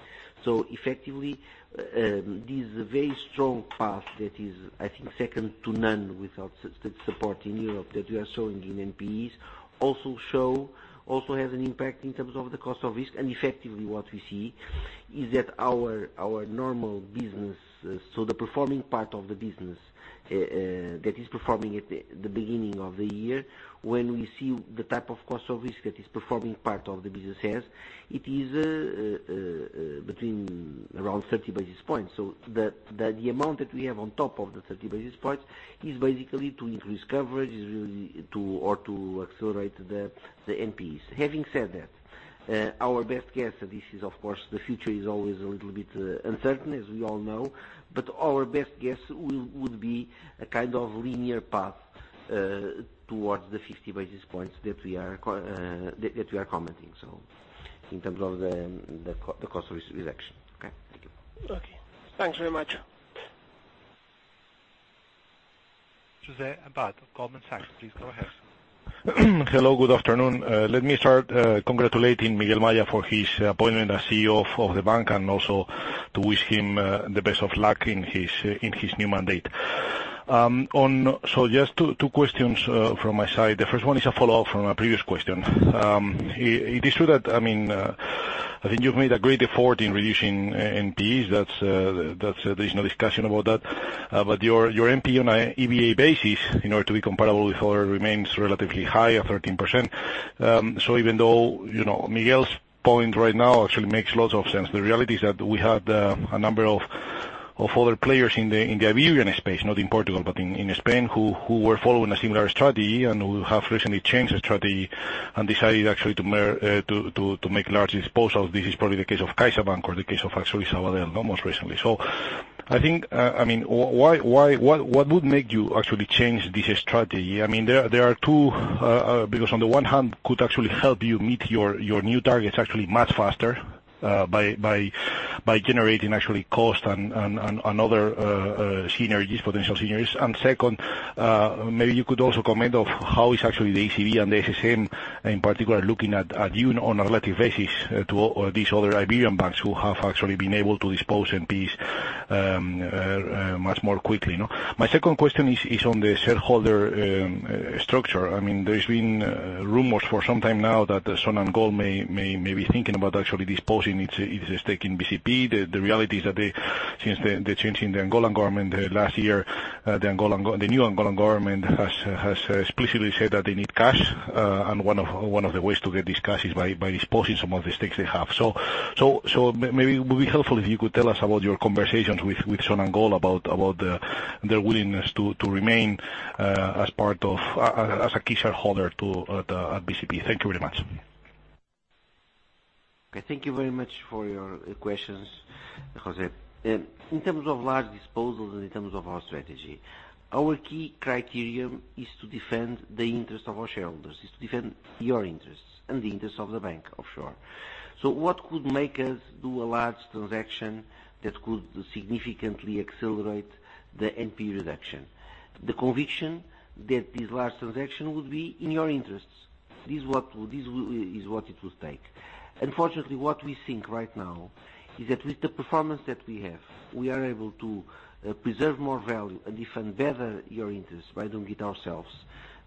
Effectively, this very strong path that is, I think, second to none without state support in Europe that we are showing in NPEs also has an impact in terms of the cost of risk. Effectively what we see is that our normal business, the performing part of the business, that is performing at the beginning of the year, when we see the type of cost of risk that is performing part of the business has, it is between around 30 basis points. The amount that we have on top of the 30 basis points is basically to increase coverage or to accelerate the NPEs. Having said that, our best guess, this is of course, the future is always a little bit uncertain, as we all know. Our best guess would be a kind of linear path towards the 50 basis points that we are commenting. In terms of the cost of risk reduction. Okay, thank you. Okay. Thanks very much. José Abad, Goldman Sachs, please go ahead. Hello, good afternoon. Let me start congratulating Miguel Maya for his appointment as CEO of the bank and also to wish him the best of luck in his new mandate. Just two questions from my side. The first one is a follow-up from a previous question. I think you've made a great effort in reducing NPEs. There's no discussion about that. But your NPE on an EBA basis, in order to be comparable with other, remains relatively high at 13%. Even though Miguel Maya's point right now actually makes lots of sense, the reality is that we had a number of other players in the Iberian space, not in Portugal, but in Spain, who were following a similar strategy and who have recently changed the strategy and decided actually to make large disposals. This is probably the case of CaixaBank or the case of actually Sabadell most recently. I think, what would make you actually change this strategy? There are two, because on the one hand could actually help you meet your new targets actually much faster, by generating actually cost and other potential synergies. Second, maybe you could also comment of how is actually the ECB and the SSM in particular, looking at you on a relative basis to these other Iberian banks who have actually been able to dispose NPEs much more quickly. My second question is on the shareholder structure. There's been rumors for some time now that Sonangol may be thinking about actually disposing its stake in BCP. The reality is that since the change in the Angolan government last year, the new Angolan government has explicitly said that they need cash. One of the ways to get this cash is by disposing some of the stakes they have. Maybe it would be helpful if you could tell us about your conversations with Sonangol about their willingness to remain as a key shareholder at BCP. Thank you very much. Okay, thank you very much for your questions, José. In terms of large disposals and in terms of our strategy, our key criterion is to defend the interest of our shareholders, is to defend your interests and the interest of the bank offshore. What could make us do a large transaction that could significantly accelerate the NP reduction? The conviction that this large transaction would be in your interests. This is what it would take. Unfortunately, what we think right now is that with the performance that we have, we are able to preserve more value and defend better your interest by doing it ourselves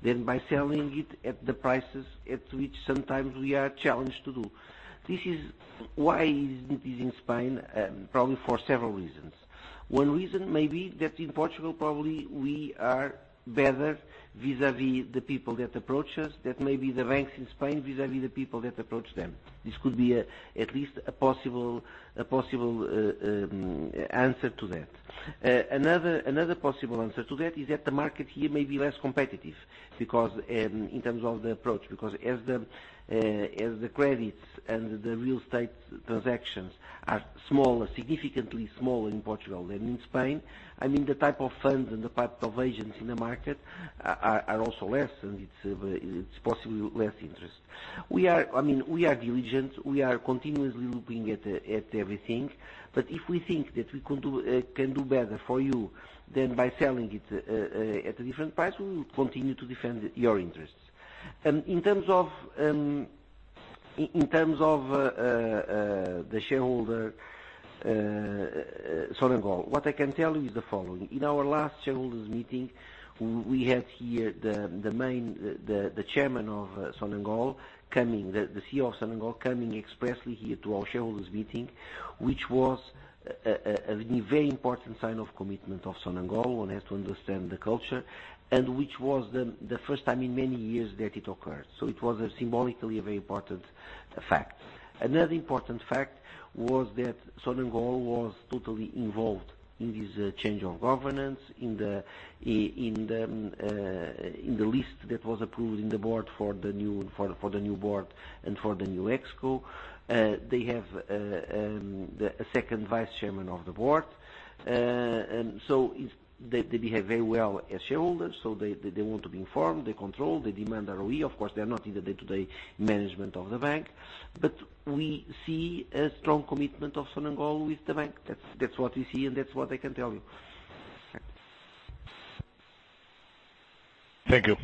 than by selling it at the prices at which sometimes we are challenged to do. This is why it isn't easy in Spain, probably for several reasons. One reason may be that in Portugal, probably we are better vis-a-vis the people that approach us, than maybe the banks in Spain vis-a-vis the people that approach them. This could be at least a possible answer to that. Another possible answer to that is that the market here may be less competitive, in terms of the approach, because as the credits and the real estate transactions are significantly smaller in Portugal than in Spain, the type of funds and the type of agents in the market are also less, and it's possibly less interest. We are diligent. We are continuously looking at everything. If we think that we can do better for you than by selling it at a different price, we will continue to defend your interests. In terms of the shareholder, Sonangol, what I can tell you is the following. In our last shareholders meeting, we had here the chairman of Sonangol coming, the CEO of Sonangol, coming expressly here to our shareholders meeting, which was a very important sign of commitment of Sonangol. One has to understand the culture, and which was the first time in many years that it occurred. It was symbolically a very important fact. Another important fact was that Sonangol was totally involved in this change of governance in the list that was approved in the board for the new board and for the new exco. They have a second vice chairman of the board. They behave very well as shareholders, they want to be informed, they control, they demand ROE. Of course, they're not in the day-to-day management of the bank, we see a strong commitment of Sonangol with the bank. That's what we see, and that's what I can tell you. Thank you.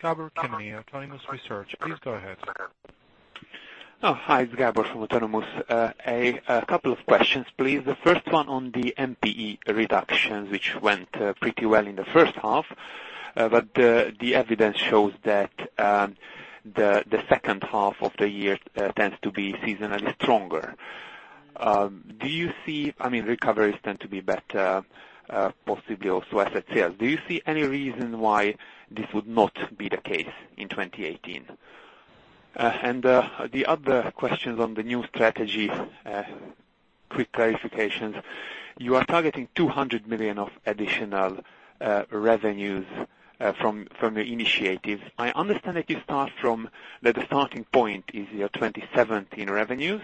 Gábor Kemény, Autonomous Research. Please go ahead. Oh, hi, it's Gábor from Autonomous. A couple of questions, please. The first one on the NPE reduction, which went pretty well in the first half. The evidence shows that the second half of the year tends to be seasonally stronger. Recoveries tend to be better, possibly also asset sales. Do you see any reason why this would not be the case in 2018? The other question is on the new strategy. Quick clarifications. You are targeting 200 million of additional revenues from your initiatives. I understand that the starting point is your 2017 revenues.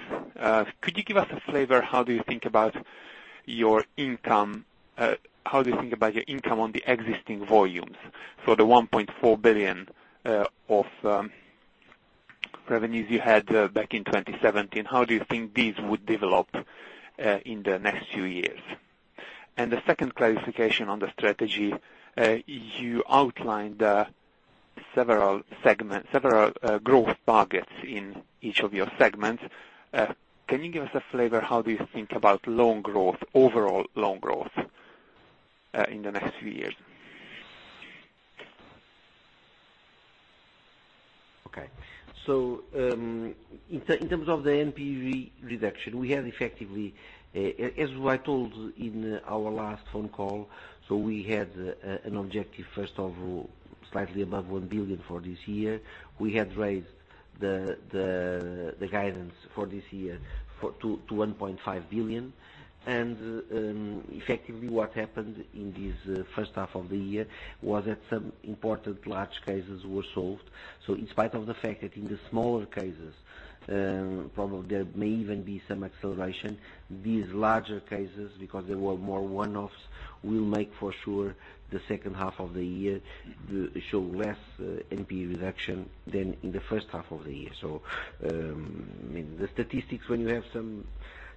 Could you give us a flavor, how do you think about your income on the existing volumes for the 1.4 billion of revenues you had back in 2017? How do you think these would develop in the next few years? The second clarification on the strategy, you outlined several growth targets in each of your segments. Can you give us a flavor, how do you think about loan growth, overall loan growth in the next few years? In terms of the NPE reduction, we have effectively, as what I told in our last phone call, we had an objective, first of all, slightly above 1 billion for this year. We had raised the guidance for this year to 1.5 billion. Effectively, what happened in this first half of the year was that some important large cases were solved. In spite of the fact that in the smaller cases, probably there may even be some acceleration, these larger cases, because there were more one-offs, will make for sure the second half of the year show less NPE reduction than in the first half of the year. The statistics, when you have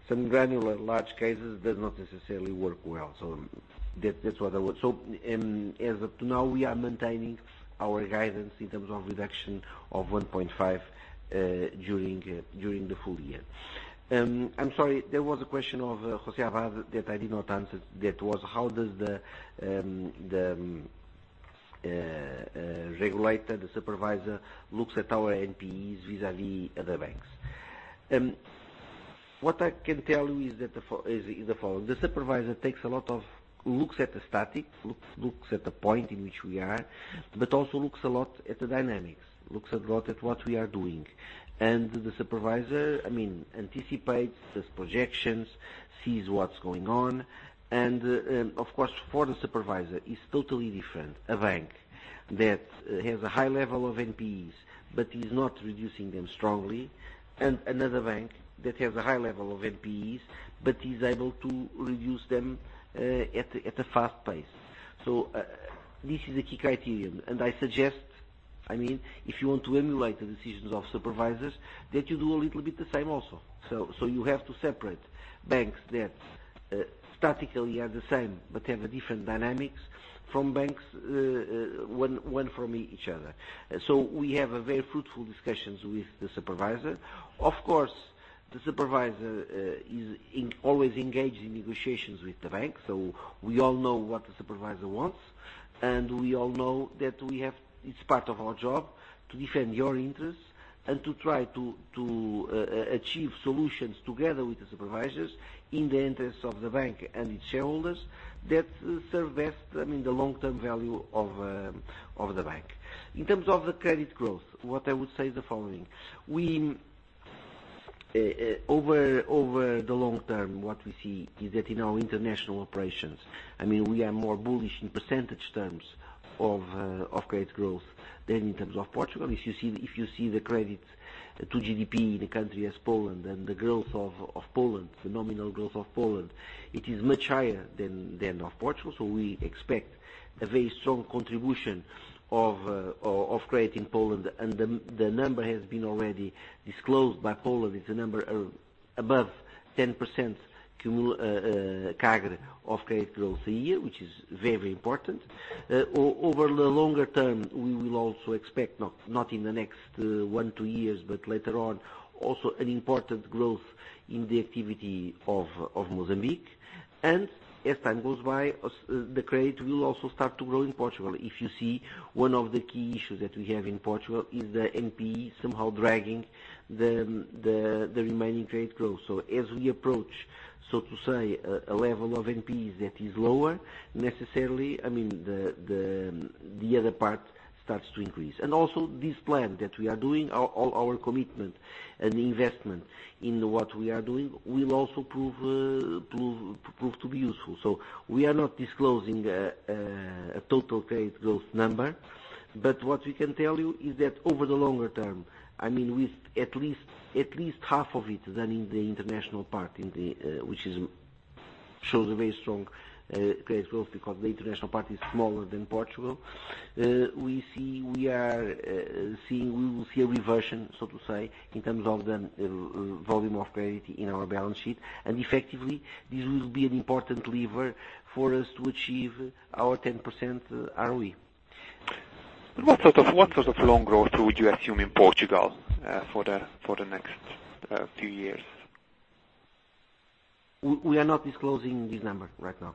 some granular large cases, does not necessarily work well. As of now, we are maintaining our guidance in terms of reduction of 1.5 billion during the full year. I'm sorry, there was a question of José Abad that I did not answer. That was how does the regulator, the supervisor, looks at our NPEs vis-a-vis other banks? What I can tell you is the following. The supervisor looks at the static, looks at the point in which we are, but also looks a lot at the dynamics, looks a lot at what we are doing. The supervisor anticipates, does projections, sees what's going on. Of course, for the supervisor, it's totally different, a bank that has a high level of NPEs but is not reducing them strongly, and another bank that has a high level of NPEs but is able to reduce them at a fast pace. This is a key criterion, and I suggest, if you want to emulate the decisions of supervisors, that you do a little bit the same also. You have to separate banks that statically are the same but have different dynamics from banks, one from each other. We have very fruitful discussions with the supervisor. Of course, the supervisor is always engaged in negotiations with the bank, we all know what the supervisor wants, and we all know that it's part of our job to defend your interests and to try to achieve solutions together with the supervisors in the interests of the bank and its shareholders that serve best the long-term value of the bank. In terms of the credit growth, what I would say is the following. Over the long term, what we see is that in our international operations, we are more bullish in percentage terms of credit growth than in terms of Portugal. If you see the credit to GDP in the country as Poland and the growth of Poland, the nominal growth of Poland, it is much higher than that of Portugal. We expect a very strong contribution of credit in Poland, and the number has been already disclosed by Poland. It's a number above 10% CAGR of credit growth a year, which is very important. Over the longer term, we will also expect, not in the next one, two years, but later on, also an important growth in the activity of Mozambique. As time goes by, the credit will also start to grow in Portugal. If you see, one of the key issues that we have in Portugal is the NPE somehow dragging the remaining credit growth. As we approach, so to say, a level of NPEs that is lower, necessarily, the other part starts to increase. Also this plan that we are doing, all our commitment and investment in what we are doing, will also prove to be useful. We are not disclosing a total credit growth number, but what we can tell you is that over the longer term, with at least half of it done in the international part, which shows a very strong credit growth because the international part is smaller than Portugal. We will see a reversion, so to say, in terms of the volume of credit in our balance sheet, and effectively, this will be an important lever for us to achieve our 10% ROE. What sort of loan growth would you assume in Portugal for the next few years? We are not disclosing this number right now.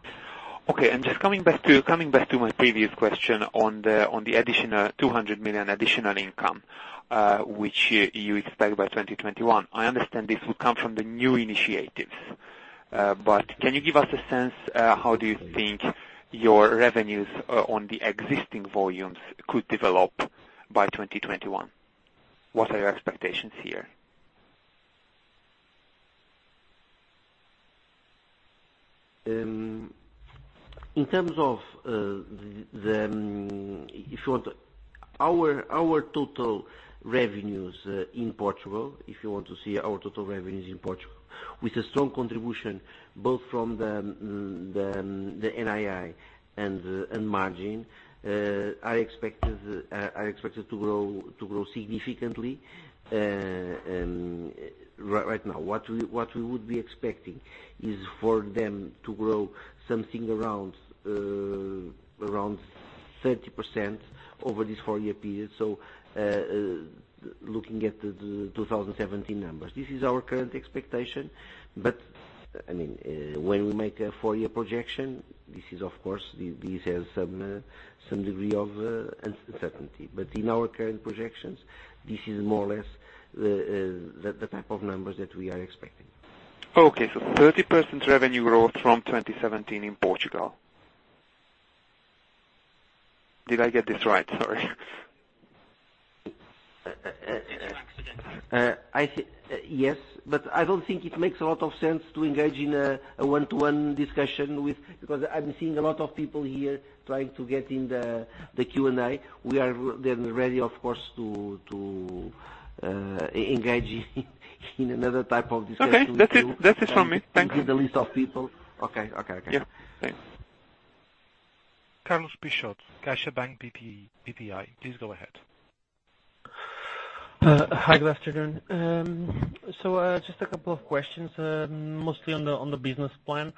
Just coming back to my previous question on the additional 200 million additional income, which you expect by 2021. I understand this will come from the new initiatives. Can you give us a sense, how do you think your revenues on the existing volumes could develop by 2021? What are your expectations here? In terms of our total revenues in Portugal, if you want to see our total revenues in Portugal with a strong contribution both from the NII and margin, are expected to grow significantly right now. What we would be expecting is for them to grow something around 30% over this four-year period, looking at the 2017 numbers. This is our current expectation. When we make a four-year projection, this has some degree of uncertainty. In our current projections, this is more or less the type of numbers that we are expecting. Okay. 30% revenue growth from 2017 in Portugal. Did I get this right? Sorry. Yes. I don't think it makes a lot of sense to engage in a one-to-one discussion because I'm seeing a lot of people here trying to get in the Q&A. We are ready, of course, to engage in another type of discussion with you. Okay. That's it from me. Thank you. Give the list of people. Okay. Yeah. Thanks. Carlos Peixoto, CaixaBank BPI. Please go ahead. Hi. Good afternoon. Just a couple of questions, mostly on the business plan.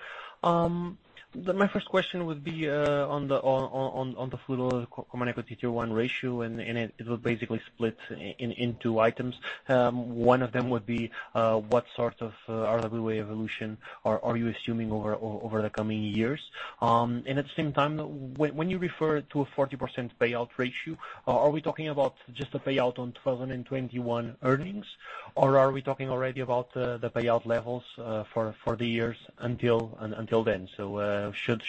My first question would be on the full Common Equity Tier 1 ratio, and it will basically split in two items. One of them would be, what sort of RWA evolution are you assuming over the coming years? At the same time, when you refer to a 40% payout ratio, are we talking about just a payout on 2021 earnings, or are we talking already about the payout levels for the years until then? Should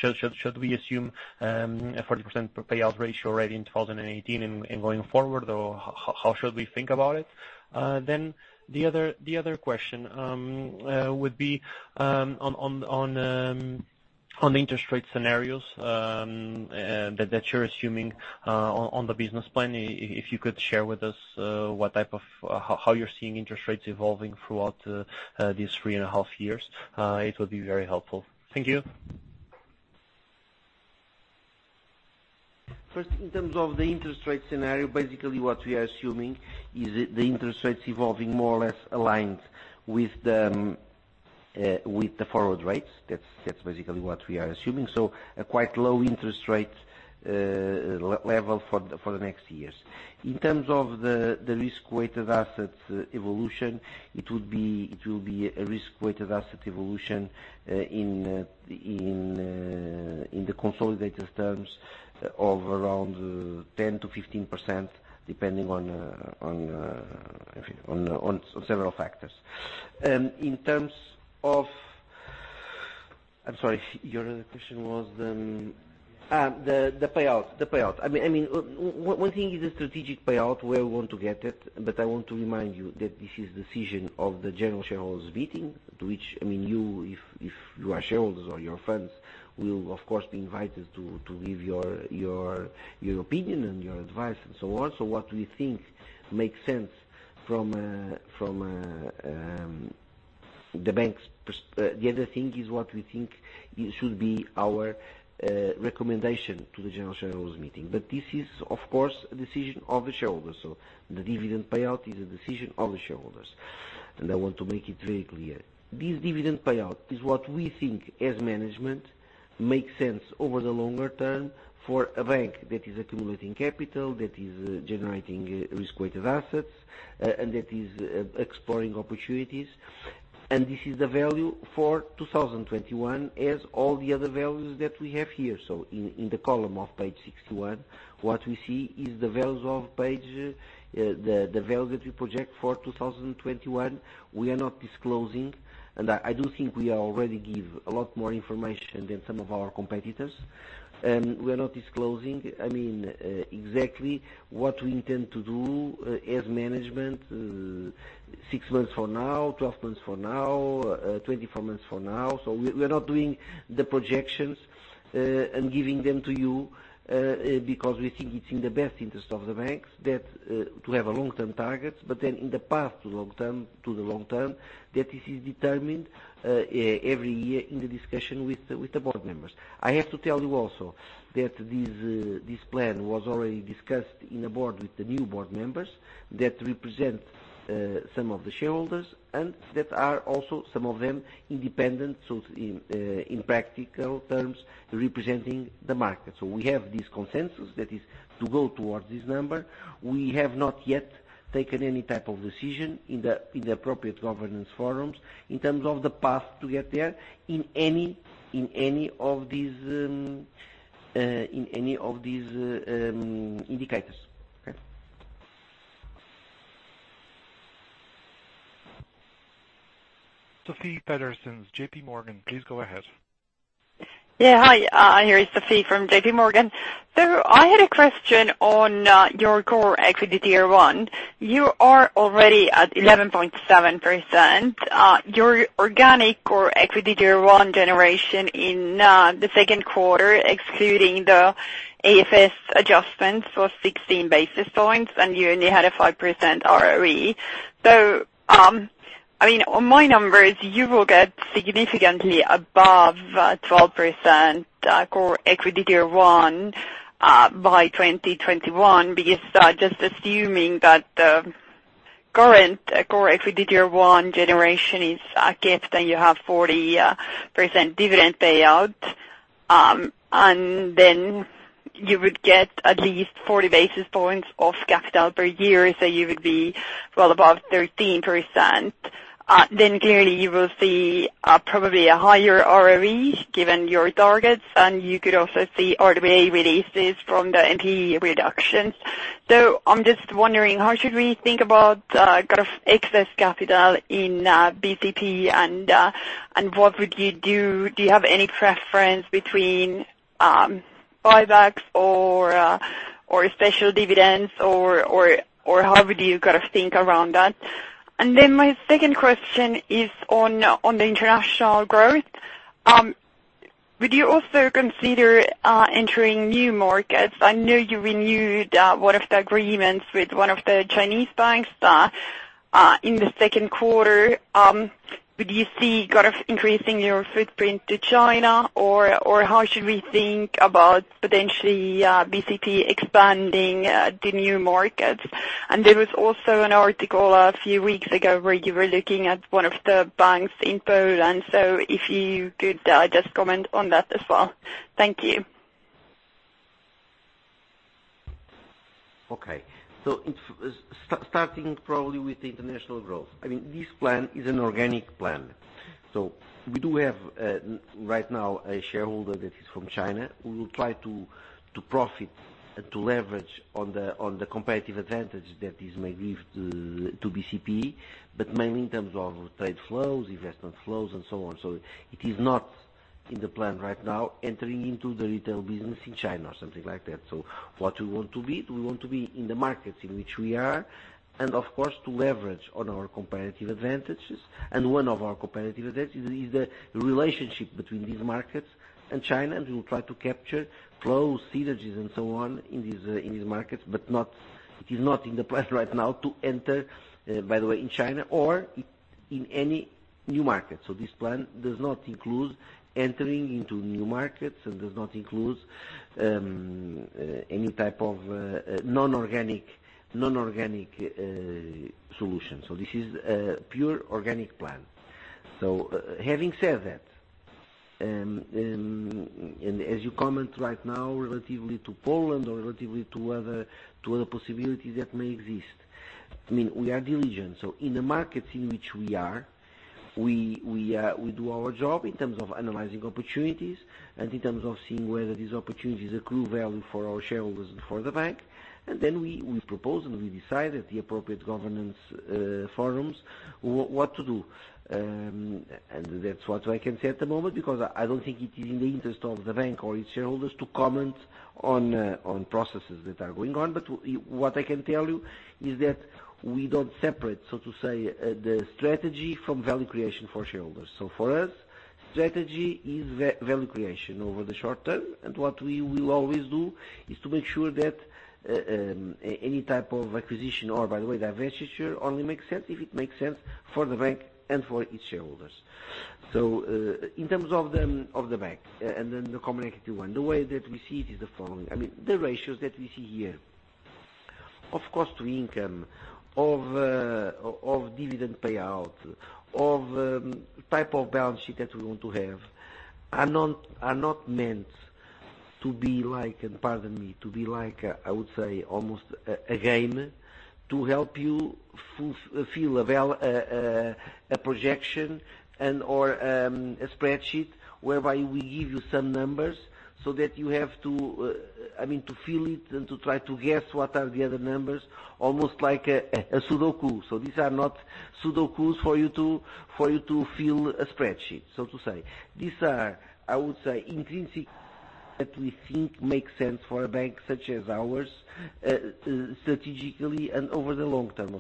we assume a 40% payout ratio already in 2018 and going forward? Or how should we think about it? The other question would be on the interest rate scenarios that you're assuming on the business plan. If you could share with us how you're seeing interest rates evolving throughout these three and a half years, it would be very helpful. Thank you. First, in terms of the interest rate scenario, basically what we are assuming is the interest rates evolving more or less aligned with the forward rates. That's basically what we are assuming. A quite low interest rate level for the next years. In terms of the risk-weighted assets evolution, it will be a risk-weighted asset evolution in the consolidated terms of around 10%-15%, depending on several factors. I'm sorry, your other question was the payout. One thing is the strategic payout, where we want to get it. I want to remind you that this is decision of the general shareholders meeting, to which you, if you are shareholders or your firms, will, of course, be invited to give your opinion and your advice and so on. What we think makes sense from the banks. The other thing is what we think should be our recommendation to the general shareholders meeting. This is, of course, a decision of the shareholders. The dividend payout is a decision of the shareholders, and I want to make it very clear. This dividend payout is what we think, as management, makes sense over the longer term for a bank that is accumulating capital, that is generating risk-weighted assets, and that is exploring opportunities. This is the value for 2021, as all the other values that we have here. In the column of page 61, what we see is the values that we project for 2021. I do think we already give a lot more information than some of our competitors. We are not disclosing exactly what we intend to do as management 6 months from now, 12 months from now, 24 months from now. We are not doing the projections, and giving them to you, because we think it's in the best interest of the banks to have a long-term target, but then in the path to the long term, that this is determined every year in the discussion with the board members. I have to tell you also that this plan was already discussed in the board with the new board members that represent some of the shareholders and that are also, some of them, independent. In practical terms, representing the market. We have this consensus that is to go towards this number. We have not yet taken any type of decision in the appropriate governance forums in terms of the path to get there in any of these indicators. Okay. Sofie Peterzens, J.P. Morgan. Please go ahead. Hi, here is Sofie from J.P. Morgan. I had a question on your Core Equity Tier 1. You are already at 11.7%. Your organic Core Equity Tier 1 generation in the second quarter, excluding the AFS adjustments, was 16 basis points, and you only had a 5% ROE. On my numbers, you will get significantly above 12% Core Equity Tier 1 by 2021, because just assuming that the current Core Equity Tier 1 generation is, I get that you have 40% dividend payout. You would get at least 40 basis points of capital per year, you would be well above 13%. Clearly you will see probably a higher ROE given your targets, and you could also see RWA releases from the NPE reductions. I'm just wondering, how should we think about excess capital in BCP and what would you do? Do you have any preference between buybacks or special dividends or however do you think around that? My second question is on the international growth. Would you also consider entering new markets? I know you renewed one of the agreements with one of the Chinese banks in the second quarter. Would you see increasing your footprint to China? How should we think about potentially BCP expanding the new markets? There was also an article a few weeks ago where you were looking at one of the banks in Poland. If you could just comment on that as well. Thank you. Okay. Starting probably with the international growth. This plan is an organic plan. We do have, right now, a shareholder that is from China, who will try to profit and to leverage on the competitive advantage that this may give to BCP, but mainly in terms of trade flows, investment flows, and so on. It is not in the plan right now, entering into the retail business in China or something like that. What we want to be, we want to be in the markets in which we are, and of course, to leverage on our competitive advantages. One of our competitive advantages is the relationship between these markets and China. We will try to capture flows, synergies, and so on in these markets. It is not in the plan right now to enter, by the way, in China or in any new market. This plan does not include entering into new markets and does not include any type of non-organic solution. This is a pure organic plan. Having said that, and as you comment right now, relatively to Poland or relatively to other possibilities that may exist, we are diligent. In the markets in which we are, we do our job in terms of analyzing opportunities and in terms of seeing whether these opportunities accrue value for our shareholders and for the bank. We propose, and we decide at the appropriate governance forums what to do. That's what I can say at the moment, because I don't think it is in the interest of the bank or its shareholders to comment on processes that are going on. What I can tell you is that we don't separate, so to say, the strategy from value creation for shareholders. For us, strategy is value creation over the short term. What we will always do is to make sure that any type of acquisition or, by the way, divestiture only makes sense if it makes sense for the bank and for its shareholders. In terms of the bank and then the Common Equity Tier 1, the way that we see it is the following. The ratios that we see here, of cost to income, of dividend payout, of type of balance sheet that we want to have, are not meant to be like, and pardon me, to be like, I would say, almost a game to help you fill a projection or a spreadsheet whereby we give you some numbers so that you have to fill it and to try to guess what are the other numbers, almost like a Sudoku. These are not Sudokus for you to fill a spreadsheet, so to say. These are, I would say, intrinsic that we think makes sense for a bank such as ours, strategically and over the long term.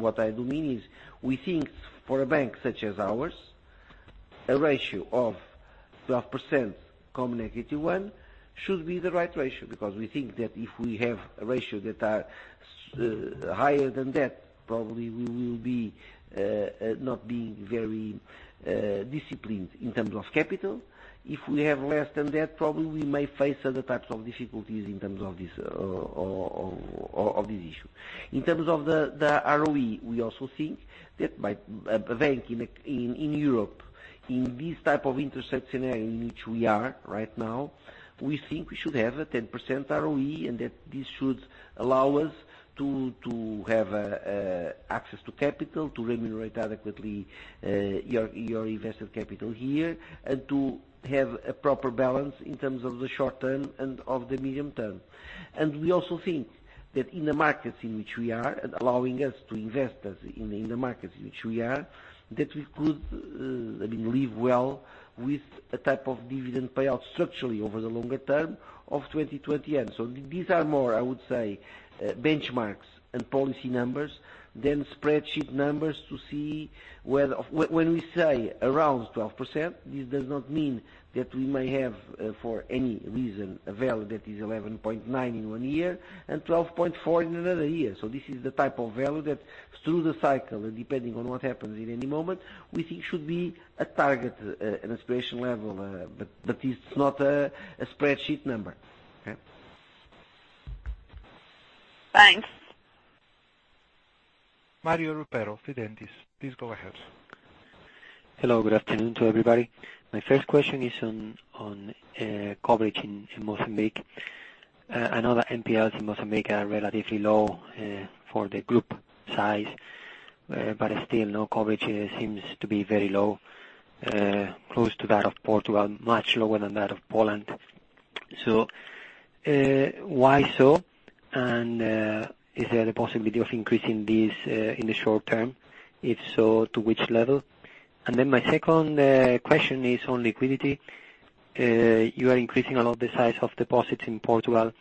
What I do mean is we think for a bank such as ours, a ratio of 12% Common Equity Tier 1 should be the right ratio, because we think that if we have a ratio that are higher than that, probably we will be not being very disciplined in terms of capital. If we have less than that, probably we may face other types of difficulties in terms of this issue. In terms of the ROE, we also think that a bank in Europe, in this type of interest rate scenario in which we are right now, we think we should have a 10% ROE, and that this should allow us to have access to capital, to remunerate adequately your invested capital here, and to have a proper balance in terms of the short term and of the medium term. We also think that in the markets in which we are, and allowing us to invest in the markets in which we are, that we could live well with a type of dividend payout structurally over the longer term of 2020. These are more, I would say, benchmarks and policy numbers than spreadsheet numbers to see when we say around 12%, this does not mean that we may have, for any reason, a value that is 11.9 in one year and 12.4 in another year. This is the type of value that through the cycle, and depending on what happens in any moment, we think should be a target, an aspiration level. That is not a spreadsheet number. Okay? Thanks. Mario Ropero, Fidentiis, please go ahead. Hello. Good afternoon to everybody. My first question is on coverage in Mozambique. I know that NPLs in Mozambique are relatively low for the group size. Still, coverage seems to be very low, close to that of Portugal, much lower than that of Poland. Why so? Is there the possibility of increasing this in the short term? If so, to which level? My second question is on liquidity. You are increasing a lot the size of deposits in Portugal.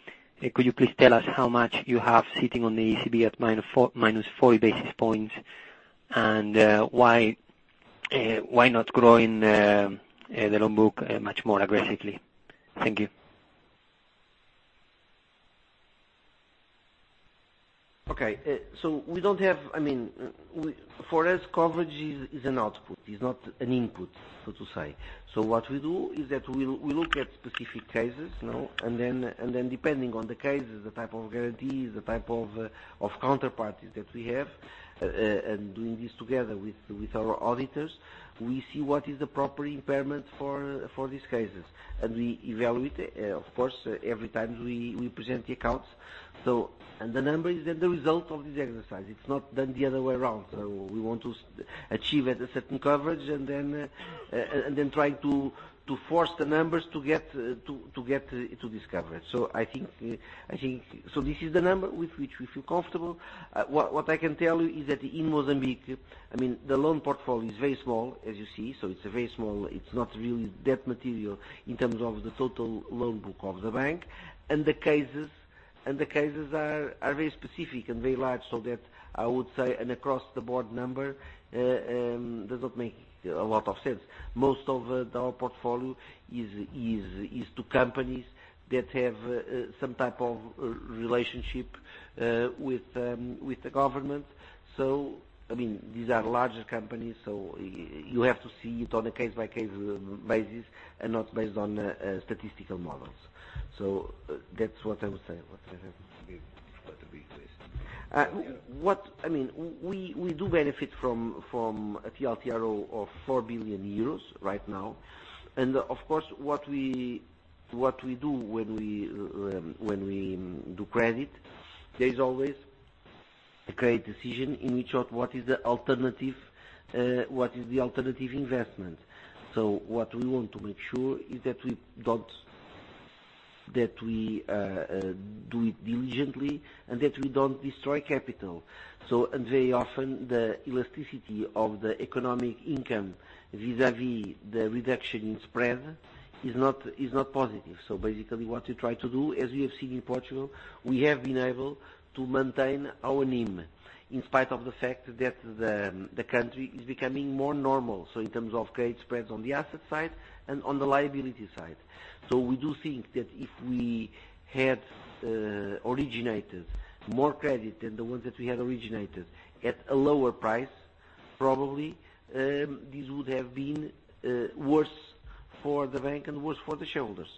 Could you please tell us how much you have sitting on the ECB at minus 40 basis points? Why not grow in the loan book much more aggressively? Thank you. Okay. For us, coverage is an output, is not an input, so to say. What we do is that we look at specific cases. Depending on the cases, the type of guarantees, the type of counterparties that we have, and doing this together with our auditors, we see what is the proper impairment for these cases. We evaluate, of course, every time we present the accounts. The number is then the result of this exercise. It's not done the other way around. We want to achieve at a certain coverage and then trying to force the numbers to get to this coverage. This is the number with which we feel comfortable. What I can tell you is that in Mozambique, the loan portfolio is very small, as you see. It's very small. It's not really that material in terms of the total loan book of the bank. The cases are very specific and very large. That, I would say, an across-the-board number does not make a lot of sense. Most of our portfolio is to companies that have some type of relationship with the government. These are larger companies, so you have to see it on a case-by-case basis and not based on statistical models. That's what I would say. What, Javier? What the big risk is. We do benefit from a TLTRO of 4 billion euros right now. Of course, what we do when we do credit, there is always a credit decision in which of what is the alternative investment. What we want to make sure is that we do it diligently and that we don't destroy capital. Very often, the elasticity of the economic income vis-a-vis the reduction in spread is not positive. Basically, what we try to do, as you have seen in Portugal, we have been able to maintain our NIM in spite of the fact that the country is becoming more normal, so in terms of credit spreads on the asset side and on the liability side. We do think that if we had originated more credit than the ones that we had originated at a lower price, probably, this would have been worse for the bank and worse for the shareholders.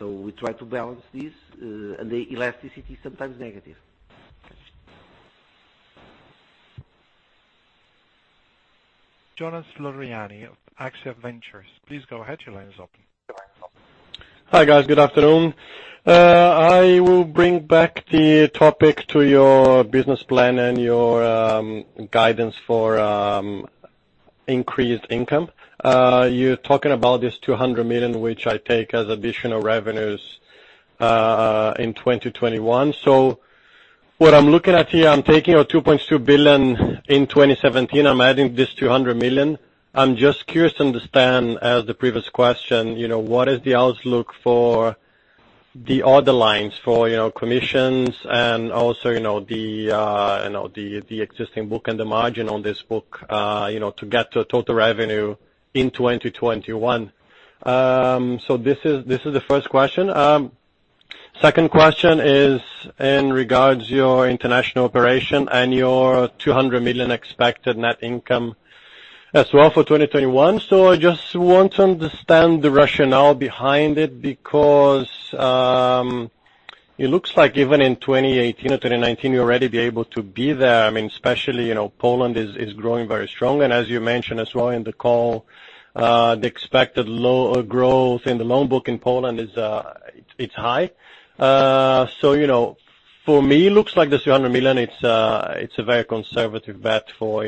We try to balance this, and the elasticity is sometimes negative. Jonas Floriani of AXIA Ventures. Please go ahead. Your line is open. Hi, guys. Good afternoon. I will bring back the topic to your business plan and your guidance for increased income. You're talking about this 200 million, which I take as additional revenues in 2021. What I'm looking at here, I'm taking your 2.2 billion in 2017. I'm adding this 200 million. I'm just curious to understand, as the previous question, what is the outlook for the order lines for commissions and also, the existing book and the margin on this book to get to total revenue in 2021? This is the first question. Second question is in regards your international operation and your 200 million expected net income as well for 2021. I just want to understand the rationale behind it because it looks like even in 2018 or 2019, you already be able to be there. Especially, Poland is growing very strongly. As you mentioned as well in the call, the expected loan growth in the loan book in Poland is high. For me, looks like this 200 million, it's a very conservative bet for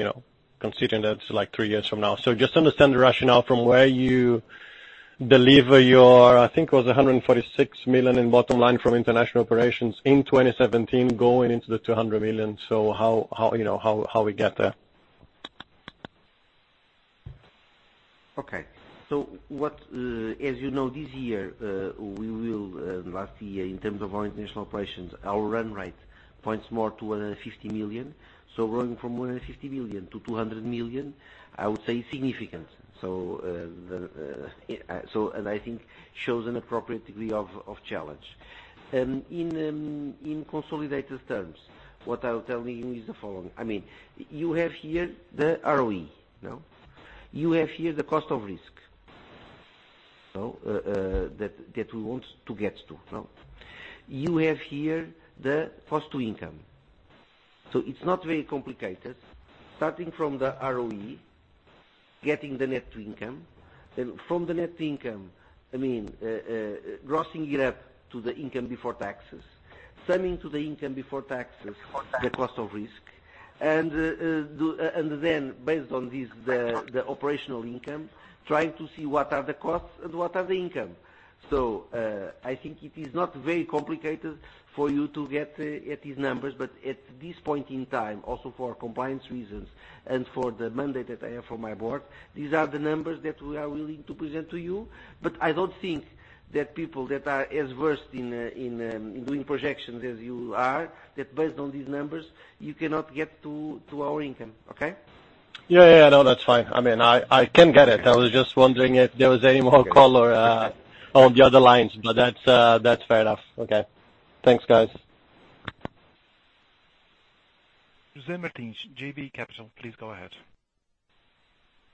considering that it's three years from now. Just understand the rationale from where you deliver your, I think it was 146 million in bottom line from international operations in 2017 going into the 200 million. How we get there. Okay. As you know, this year, we will, last year, in terms of our international operations, our run rate points more to 150 million. Running from 150 million to 200 million, I would say is significant. I think shows an appropriate degree of challenge. In consolidated terms, what I will tell you is the following. You have here the ROE. You have here the cost of risk, that we want to get to. You have here the cost to income. It's not very complicated. Starting from the ROE Getting the net income. From the net income, grossing it up to the income before taxes, summing to the income before taxes, the cost of risk. Then based on the operational income, trying to see what are the costs and what are the income. I think it is not very complicated for you to get at these numbers, at this point in time, also for compliance reasons and for the mandate that I have for my board, these are the numbers that we are willing to present to you. I don't think that people that are as versed in doing projections as you are, that based on these numbers, you cannot get to our income. Okay? Yeah. No, that's fine. I can get it. I was just wondering if there was any more color on the other lines, but that's fair enough. Okay. Thanks, guys. José Martins, JB Capital, please go ahead.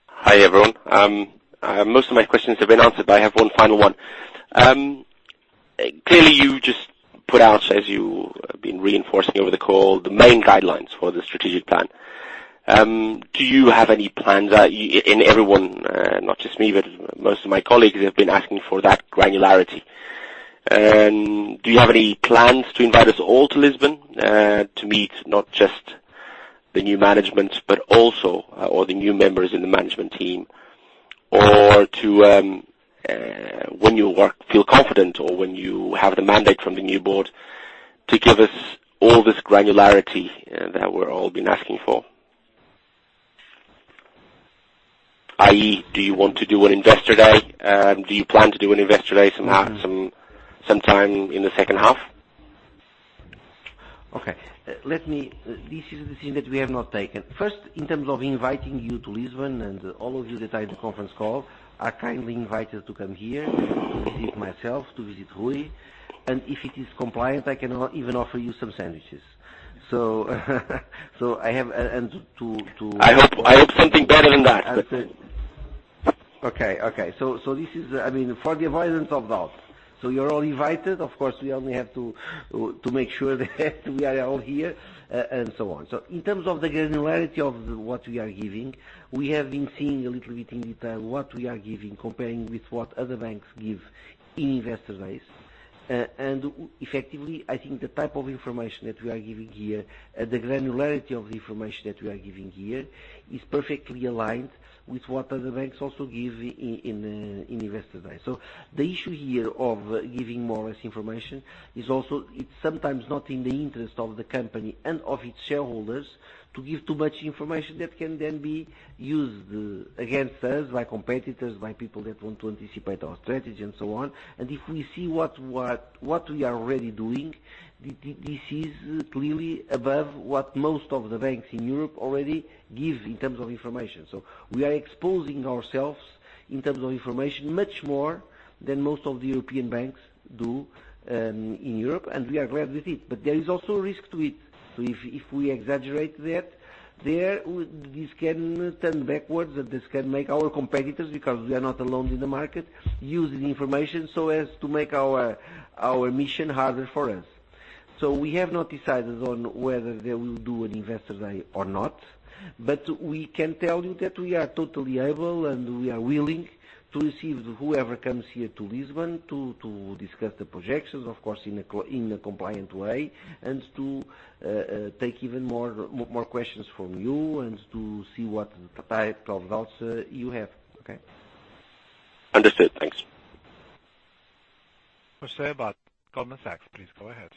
Hi, everyone. Most of my questions have been answered, but I have one final one. Clearly, you just put out, as you have been reinforcing over the call, the main guidelines for the strategic plan. Do you have any plans, everyone, not just me, but most of my colleagues have been asking for that granularity. Do you have any plans to invite us all to Lisbon to meet not just the new management but also all the new members in the management team? When you feel confident or when you have the mandate from the new board to give us all this granularity that we're all been asking for? I.e., do you want to do an investor day? Do you plan to do an investor day sometime in the second half? Okay. This is the thing that we have not taken. First, in terms of inviting you to Lisbon and all of you that are in the conference call are kindly invited to come here, to visit myself, to visit Rui, and if it is compliant, I can even offer you some sandwiches. I hope something better than that. Okay. This is for the avoidance of doubt. You're all invited. Of course, we only have to make sure that we are all here, and so on. In terms of the granularity of what we are giving, we have been seeing a little bit in detail what we are giving, comparing with what other banks give in investor days. Effectively, I think the type of information that we are giving here, the granularity of the information that we are giving here is perfectly aligned with what other banks also give in investor day. The issue here of giving more or less information is also, it's sometimes not in the interest of the company and of its shareholders to give too much information that can then be used against us by competitors, by people that want to anticipate our strategy and so on. If we see what we are already doing, this is clearly above what most of the banks in Europe already give in terms of information. We are exposing ourselves in terms of information much more than most of the European banks do in Europe, and we are glad with it. There is also a risk to it. If we exaggerate that, this can turn backwards, that this can make our competitors, because we are not alone in the market, use the information so as to make our mission harder for us. We have not decided on whether they will do an investor day or not. We can tell you that we are totally able and we are willing to receive whoever comes here to Lisbon to discuss the projections, of course, in a compliant way, and to take even more questions from you and to see what type of doubts you have. Okay. Understood. Thanks. José Abad, Goldman Sachs, please go ahead.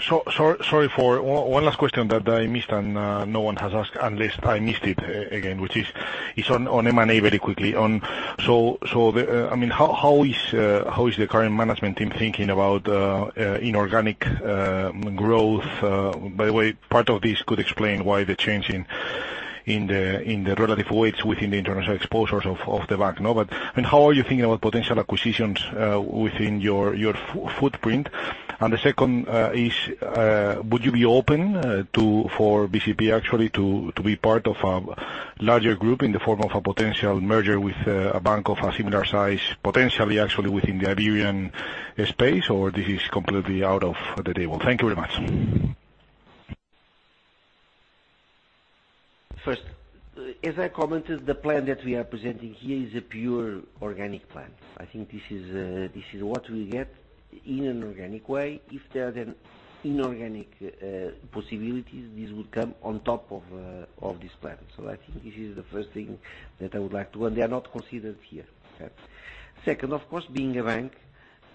Sorry for one last question that I missed and no one has asked, unless I missed it again, which is on M&A very quickly on. How is the current management team thinking about inorganic growth? By the way, part of this could explain why the change in the relative weights within the international exposures of the bank now. How are you thinking about potential acquisitions within your footprint? The second is, would you be open for BCP actually to be part of a larger group in the form of a potential merger with a bank of a similar size, potentially, actually within the Iberian space? This is completely out of the table. Thank you very much. First, as I commented, the plan that we are presenting here is a pure organic plan. I think this is what we get in an organic way. If there are then inorganic possibilities, this will come on top of this plan. I think this is the first thing that I would like to. They are not considered here. Second, of course, being a bank,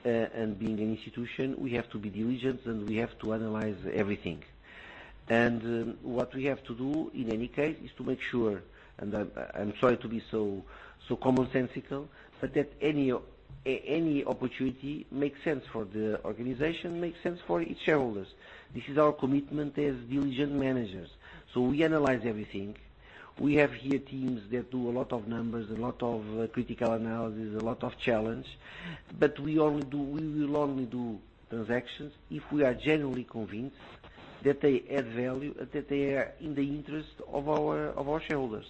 and being an institution, we have to be diligent and we have to analyze everything. What we have to do, in any case, is to make sure, and I'm sorry to be so commonsensical, but that any opportunity makes sense for the organization, makes sense for its shareholders. This is our commitment as diligent managers. We analyze everything. We have here teams that do a lot of numbers, a lot of critical analysis, a lot of challenge. We will only do transactions if we are genuinely convinced that they add value, that they are in the interest of our shareholders.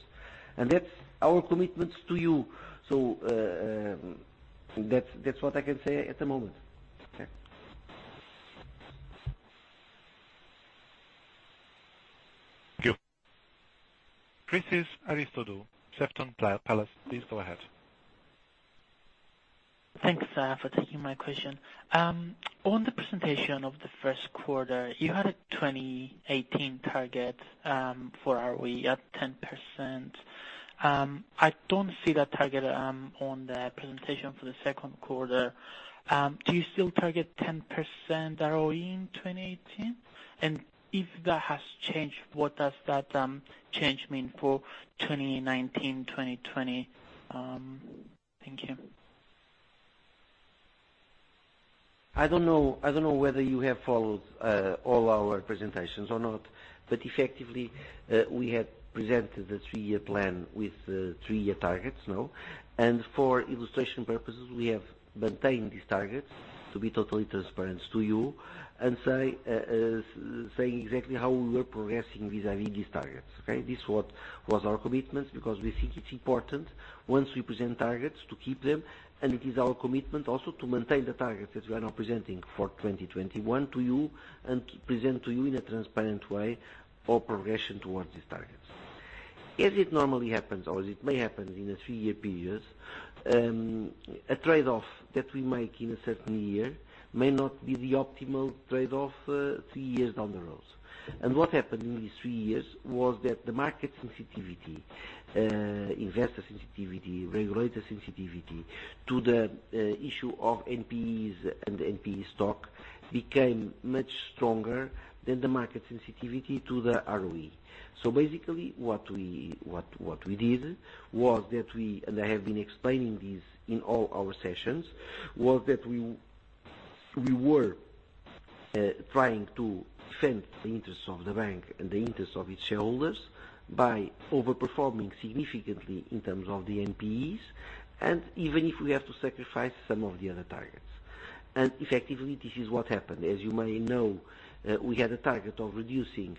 That's our commitments to you. That's what I can say at the moment. Okay. Thank you. Chris Aristidou Sefton Place Advisors, please go ahead. Thanks for taking my question. On the presentation of the first quarter, you had a 2018 target for ROE at 10%. I don't see that target on the presentation for the second quarter. Do you still target 10% ROE in 2018? If that has changed, what does that change mean for 2019, 2020? Thank you. I don't know whether you have followed all our presentations or not. Effectively, we had presented the three-year plan with the three-year targets. For illustration purposes, we have maintained these targets to be totally transparent to you and saying exactly how we were progressing vis-a-vis these targets. Okay? This was our commitment because we think it's important once we present targets to keep them, and it is our commitment also to maintain the targets that we are now presenting for 2021 to you and present to you in a transparent way for progression towards these targets. As it normally happens, or as it may happen in a three-year period, a trade-off that we make in a certain year may not be the optimal trade-off three years down the road. What happened in these three years was that the market sensitivity, investor sensitivity, regulator sensitivity to the issue of NPEs and NPE stock became much stronger than the market sensitivity to the ROE. Basically, what we did was that we, and I have been explaining this in all our sessions, was that we were trying to defend the interests of the bank and the interests of its shareholders by over-performing significantly in terms of the NPEs, and even if we have to sacrifice some of the other targets. Effectively, this is what happened. As you may know, we had a target of reducing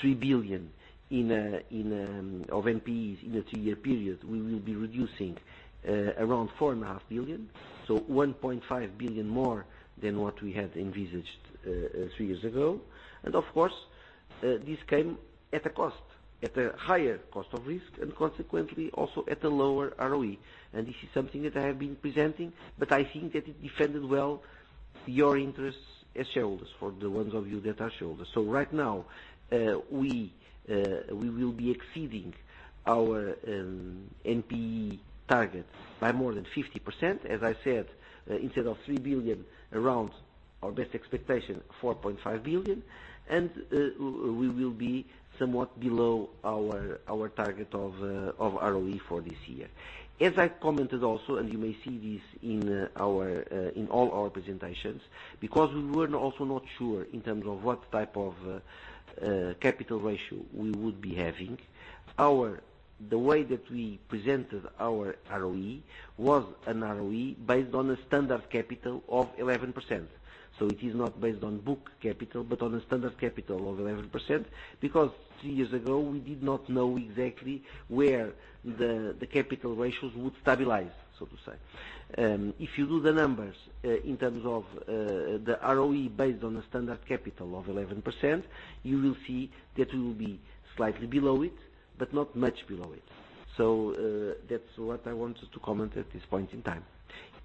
3 billion of NPEs in a three-year period. We will be reducing around 4.5 billion, so 1.5 billion more than what we had envisaged three years ago. Of course, this came at a cost, at a higher cost of risk, and consequently, also at a lower ROE. This is something that I have been presenting, but I think that it defended well your interests as shareholders, for the ones of you that are shareholders. Right now, we will be exceeding our NPE target by more than 50%. As I said, instead of 3 billion, around our best expectation, 4.5 billion, and we will be somewhat below our target of ROE for this year. As I commented also, and you may see this in all our presentations, because we were also not sure in terms of what type of capital ratio we would be having, the way that we presented our ROE was an ROE based on a standard capital of 11%. It is not based on book capital, but on a standard capital of 11%, because three years ago, we did not know exactly where the capital ratios would stabilize, so to say. If you do the numbers, in terms of the ROE based on a standard capital of 11%, you will see that we will be slightly below it, but not much below it. That's what I wanted to comment at this point in time.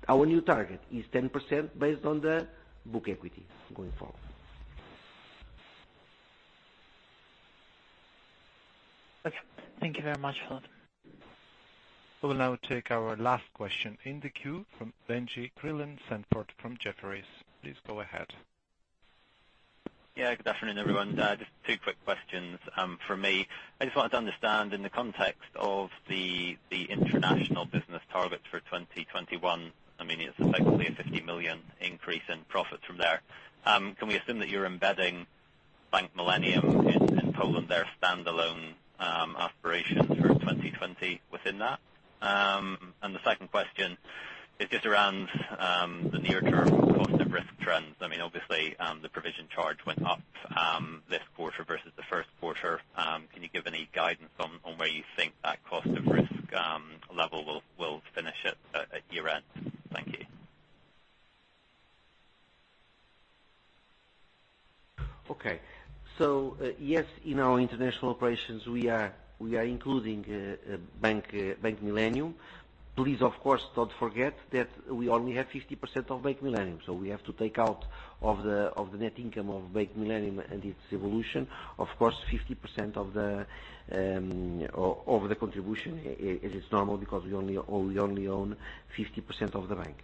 Our new target is 10% based on the book equity going forward. Okay. Thank you very much, Miguel. We will now take our last question in the queue from Benjie Creelan-Sandford from Jefferies. Please go ahead. Yeah, good afternoon, everyone. Just two quick questions from me. I just wanted to understand in the context of the international business target for 2021, it's effectively a 50 million increase in profits from there. Can we assume that you're embedding Bank Millennium in Poland, their standalone aspirations for 2020 within that? The second question is just around the near-term cost of risk trends. Obviously, the provision charge went up this quarter versus the first quarter. Can you give any guidance on where you think that cost of risk level will finish at year-end? Thank you. Okay. Yes, in our international operations, we are including Bank Millennium. Please, of course, don't forget that we only have 50% of Bank Millennium, we have to take out of the net income of Bank Millennium and its evolution, of course, 50% of the contribution as is normal because we only own 50% of the bank.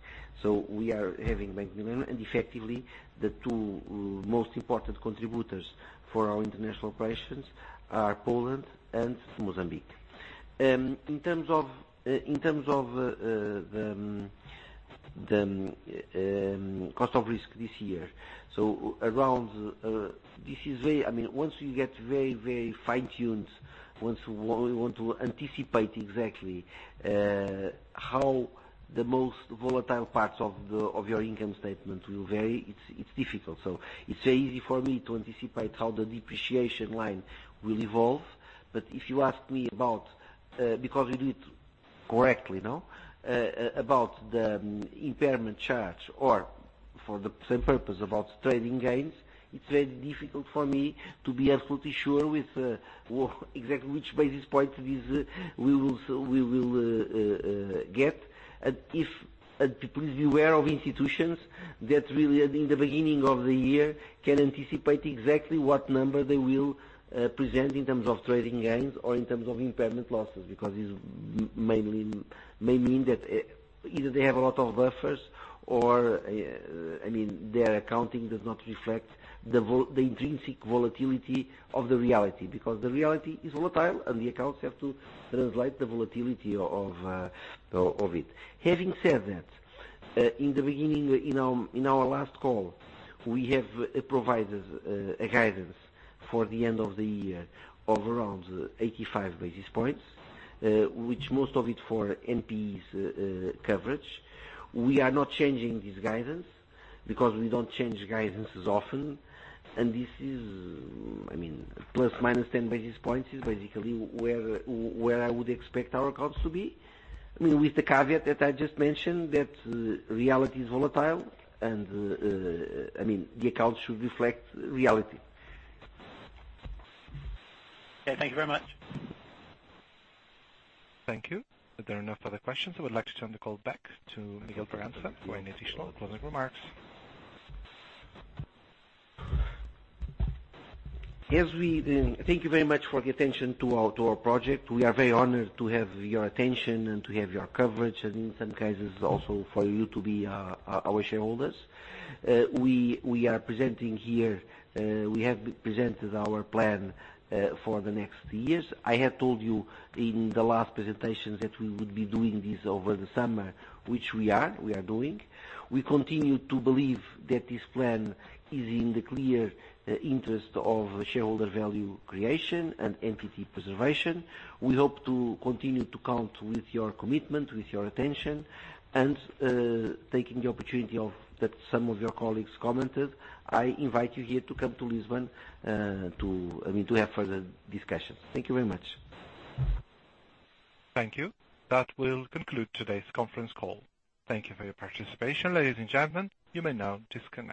We are having Bank Millennium, and effectively, the two most important contributors for our international operations are Poland and Mozambique. In terms of the cost of risk this year. Once you get very fine-tuned, once we want to anticipate exactly how the most volatile parts of your income statement will vary, it's difficult. It's easy for me to anticipate how the depreciation line will evolve. if you ask me about, because we need to, no? About the impairment charge or for the same purpose about trading gains, it is very difficult for me to be absolutely sure with exactly which basis point we will get. Please beware of institutions that really, in the beginning of the year, can anticipate exactly what number they will present in terms of trading gains or in terms of impairment losses, because it may mean that either they have a lot of buffers or their accounting does not reflect the intrinsic volatility of the reality. The reality is volatile, and the accounts have to translate the volatility of it. Having said that, in the beginning, in our last call, we have provided a guidance for the end of the year of around 85 basis points, which most of it for NPEs coverage. We do not change this guidance because we do not change guidances often. This is, plus or minus 10 basis points is basically where I would expect our accounts to be. With the caveat that I just mentioned, that reality is volatile and the accounts should reflect reality. Okay, thank you very much. Thank you. If there are no further questions, I would like to turn the call back to Miguel Bragança for any additional closing remarks. Thank you very much for the attention to our project. We are very honored to have your attention and to have your coverage, and in some cases, also for you to be our shareholders. We have presented our plan for the next years. I had told you in the last presentation that we would be doing this over the summer, which we are doing. We continue to believe that this plan is in the clear interest of shareholder value creation and entity preservation. We hope to continue to count with your commitment, with your attention. Taking the opportunity that some of your colleagues commented, I invite you here to come to Lisbon to have further discussions. Thank you very much. Thank you. That will conclude today's conference call. Thank you for your participation. Ladies and gentlemen, you may now disconnect.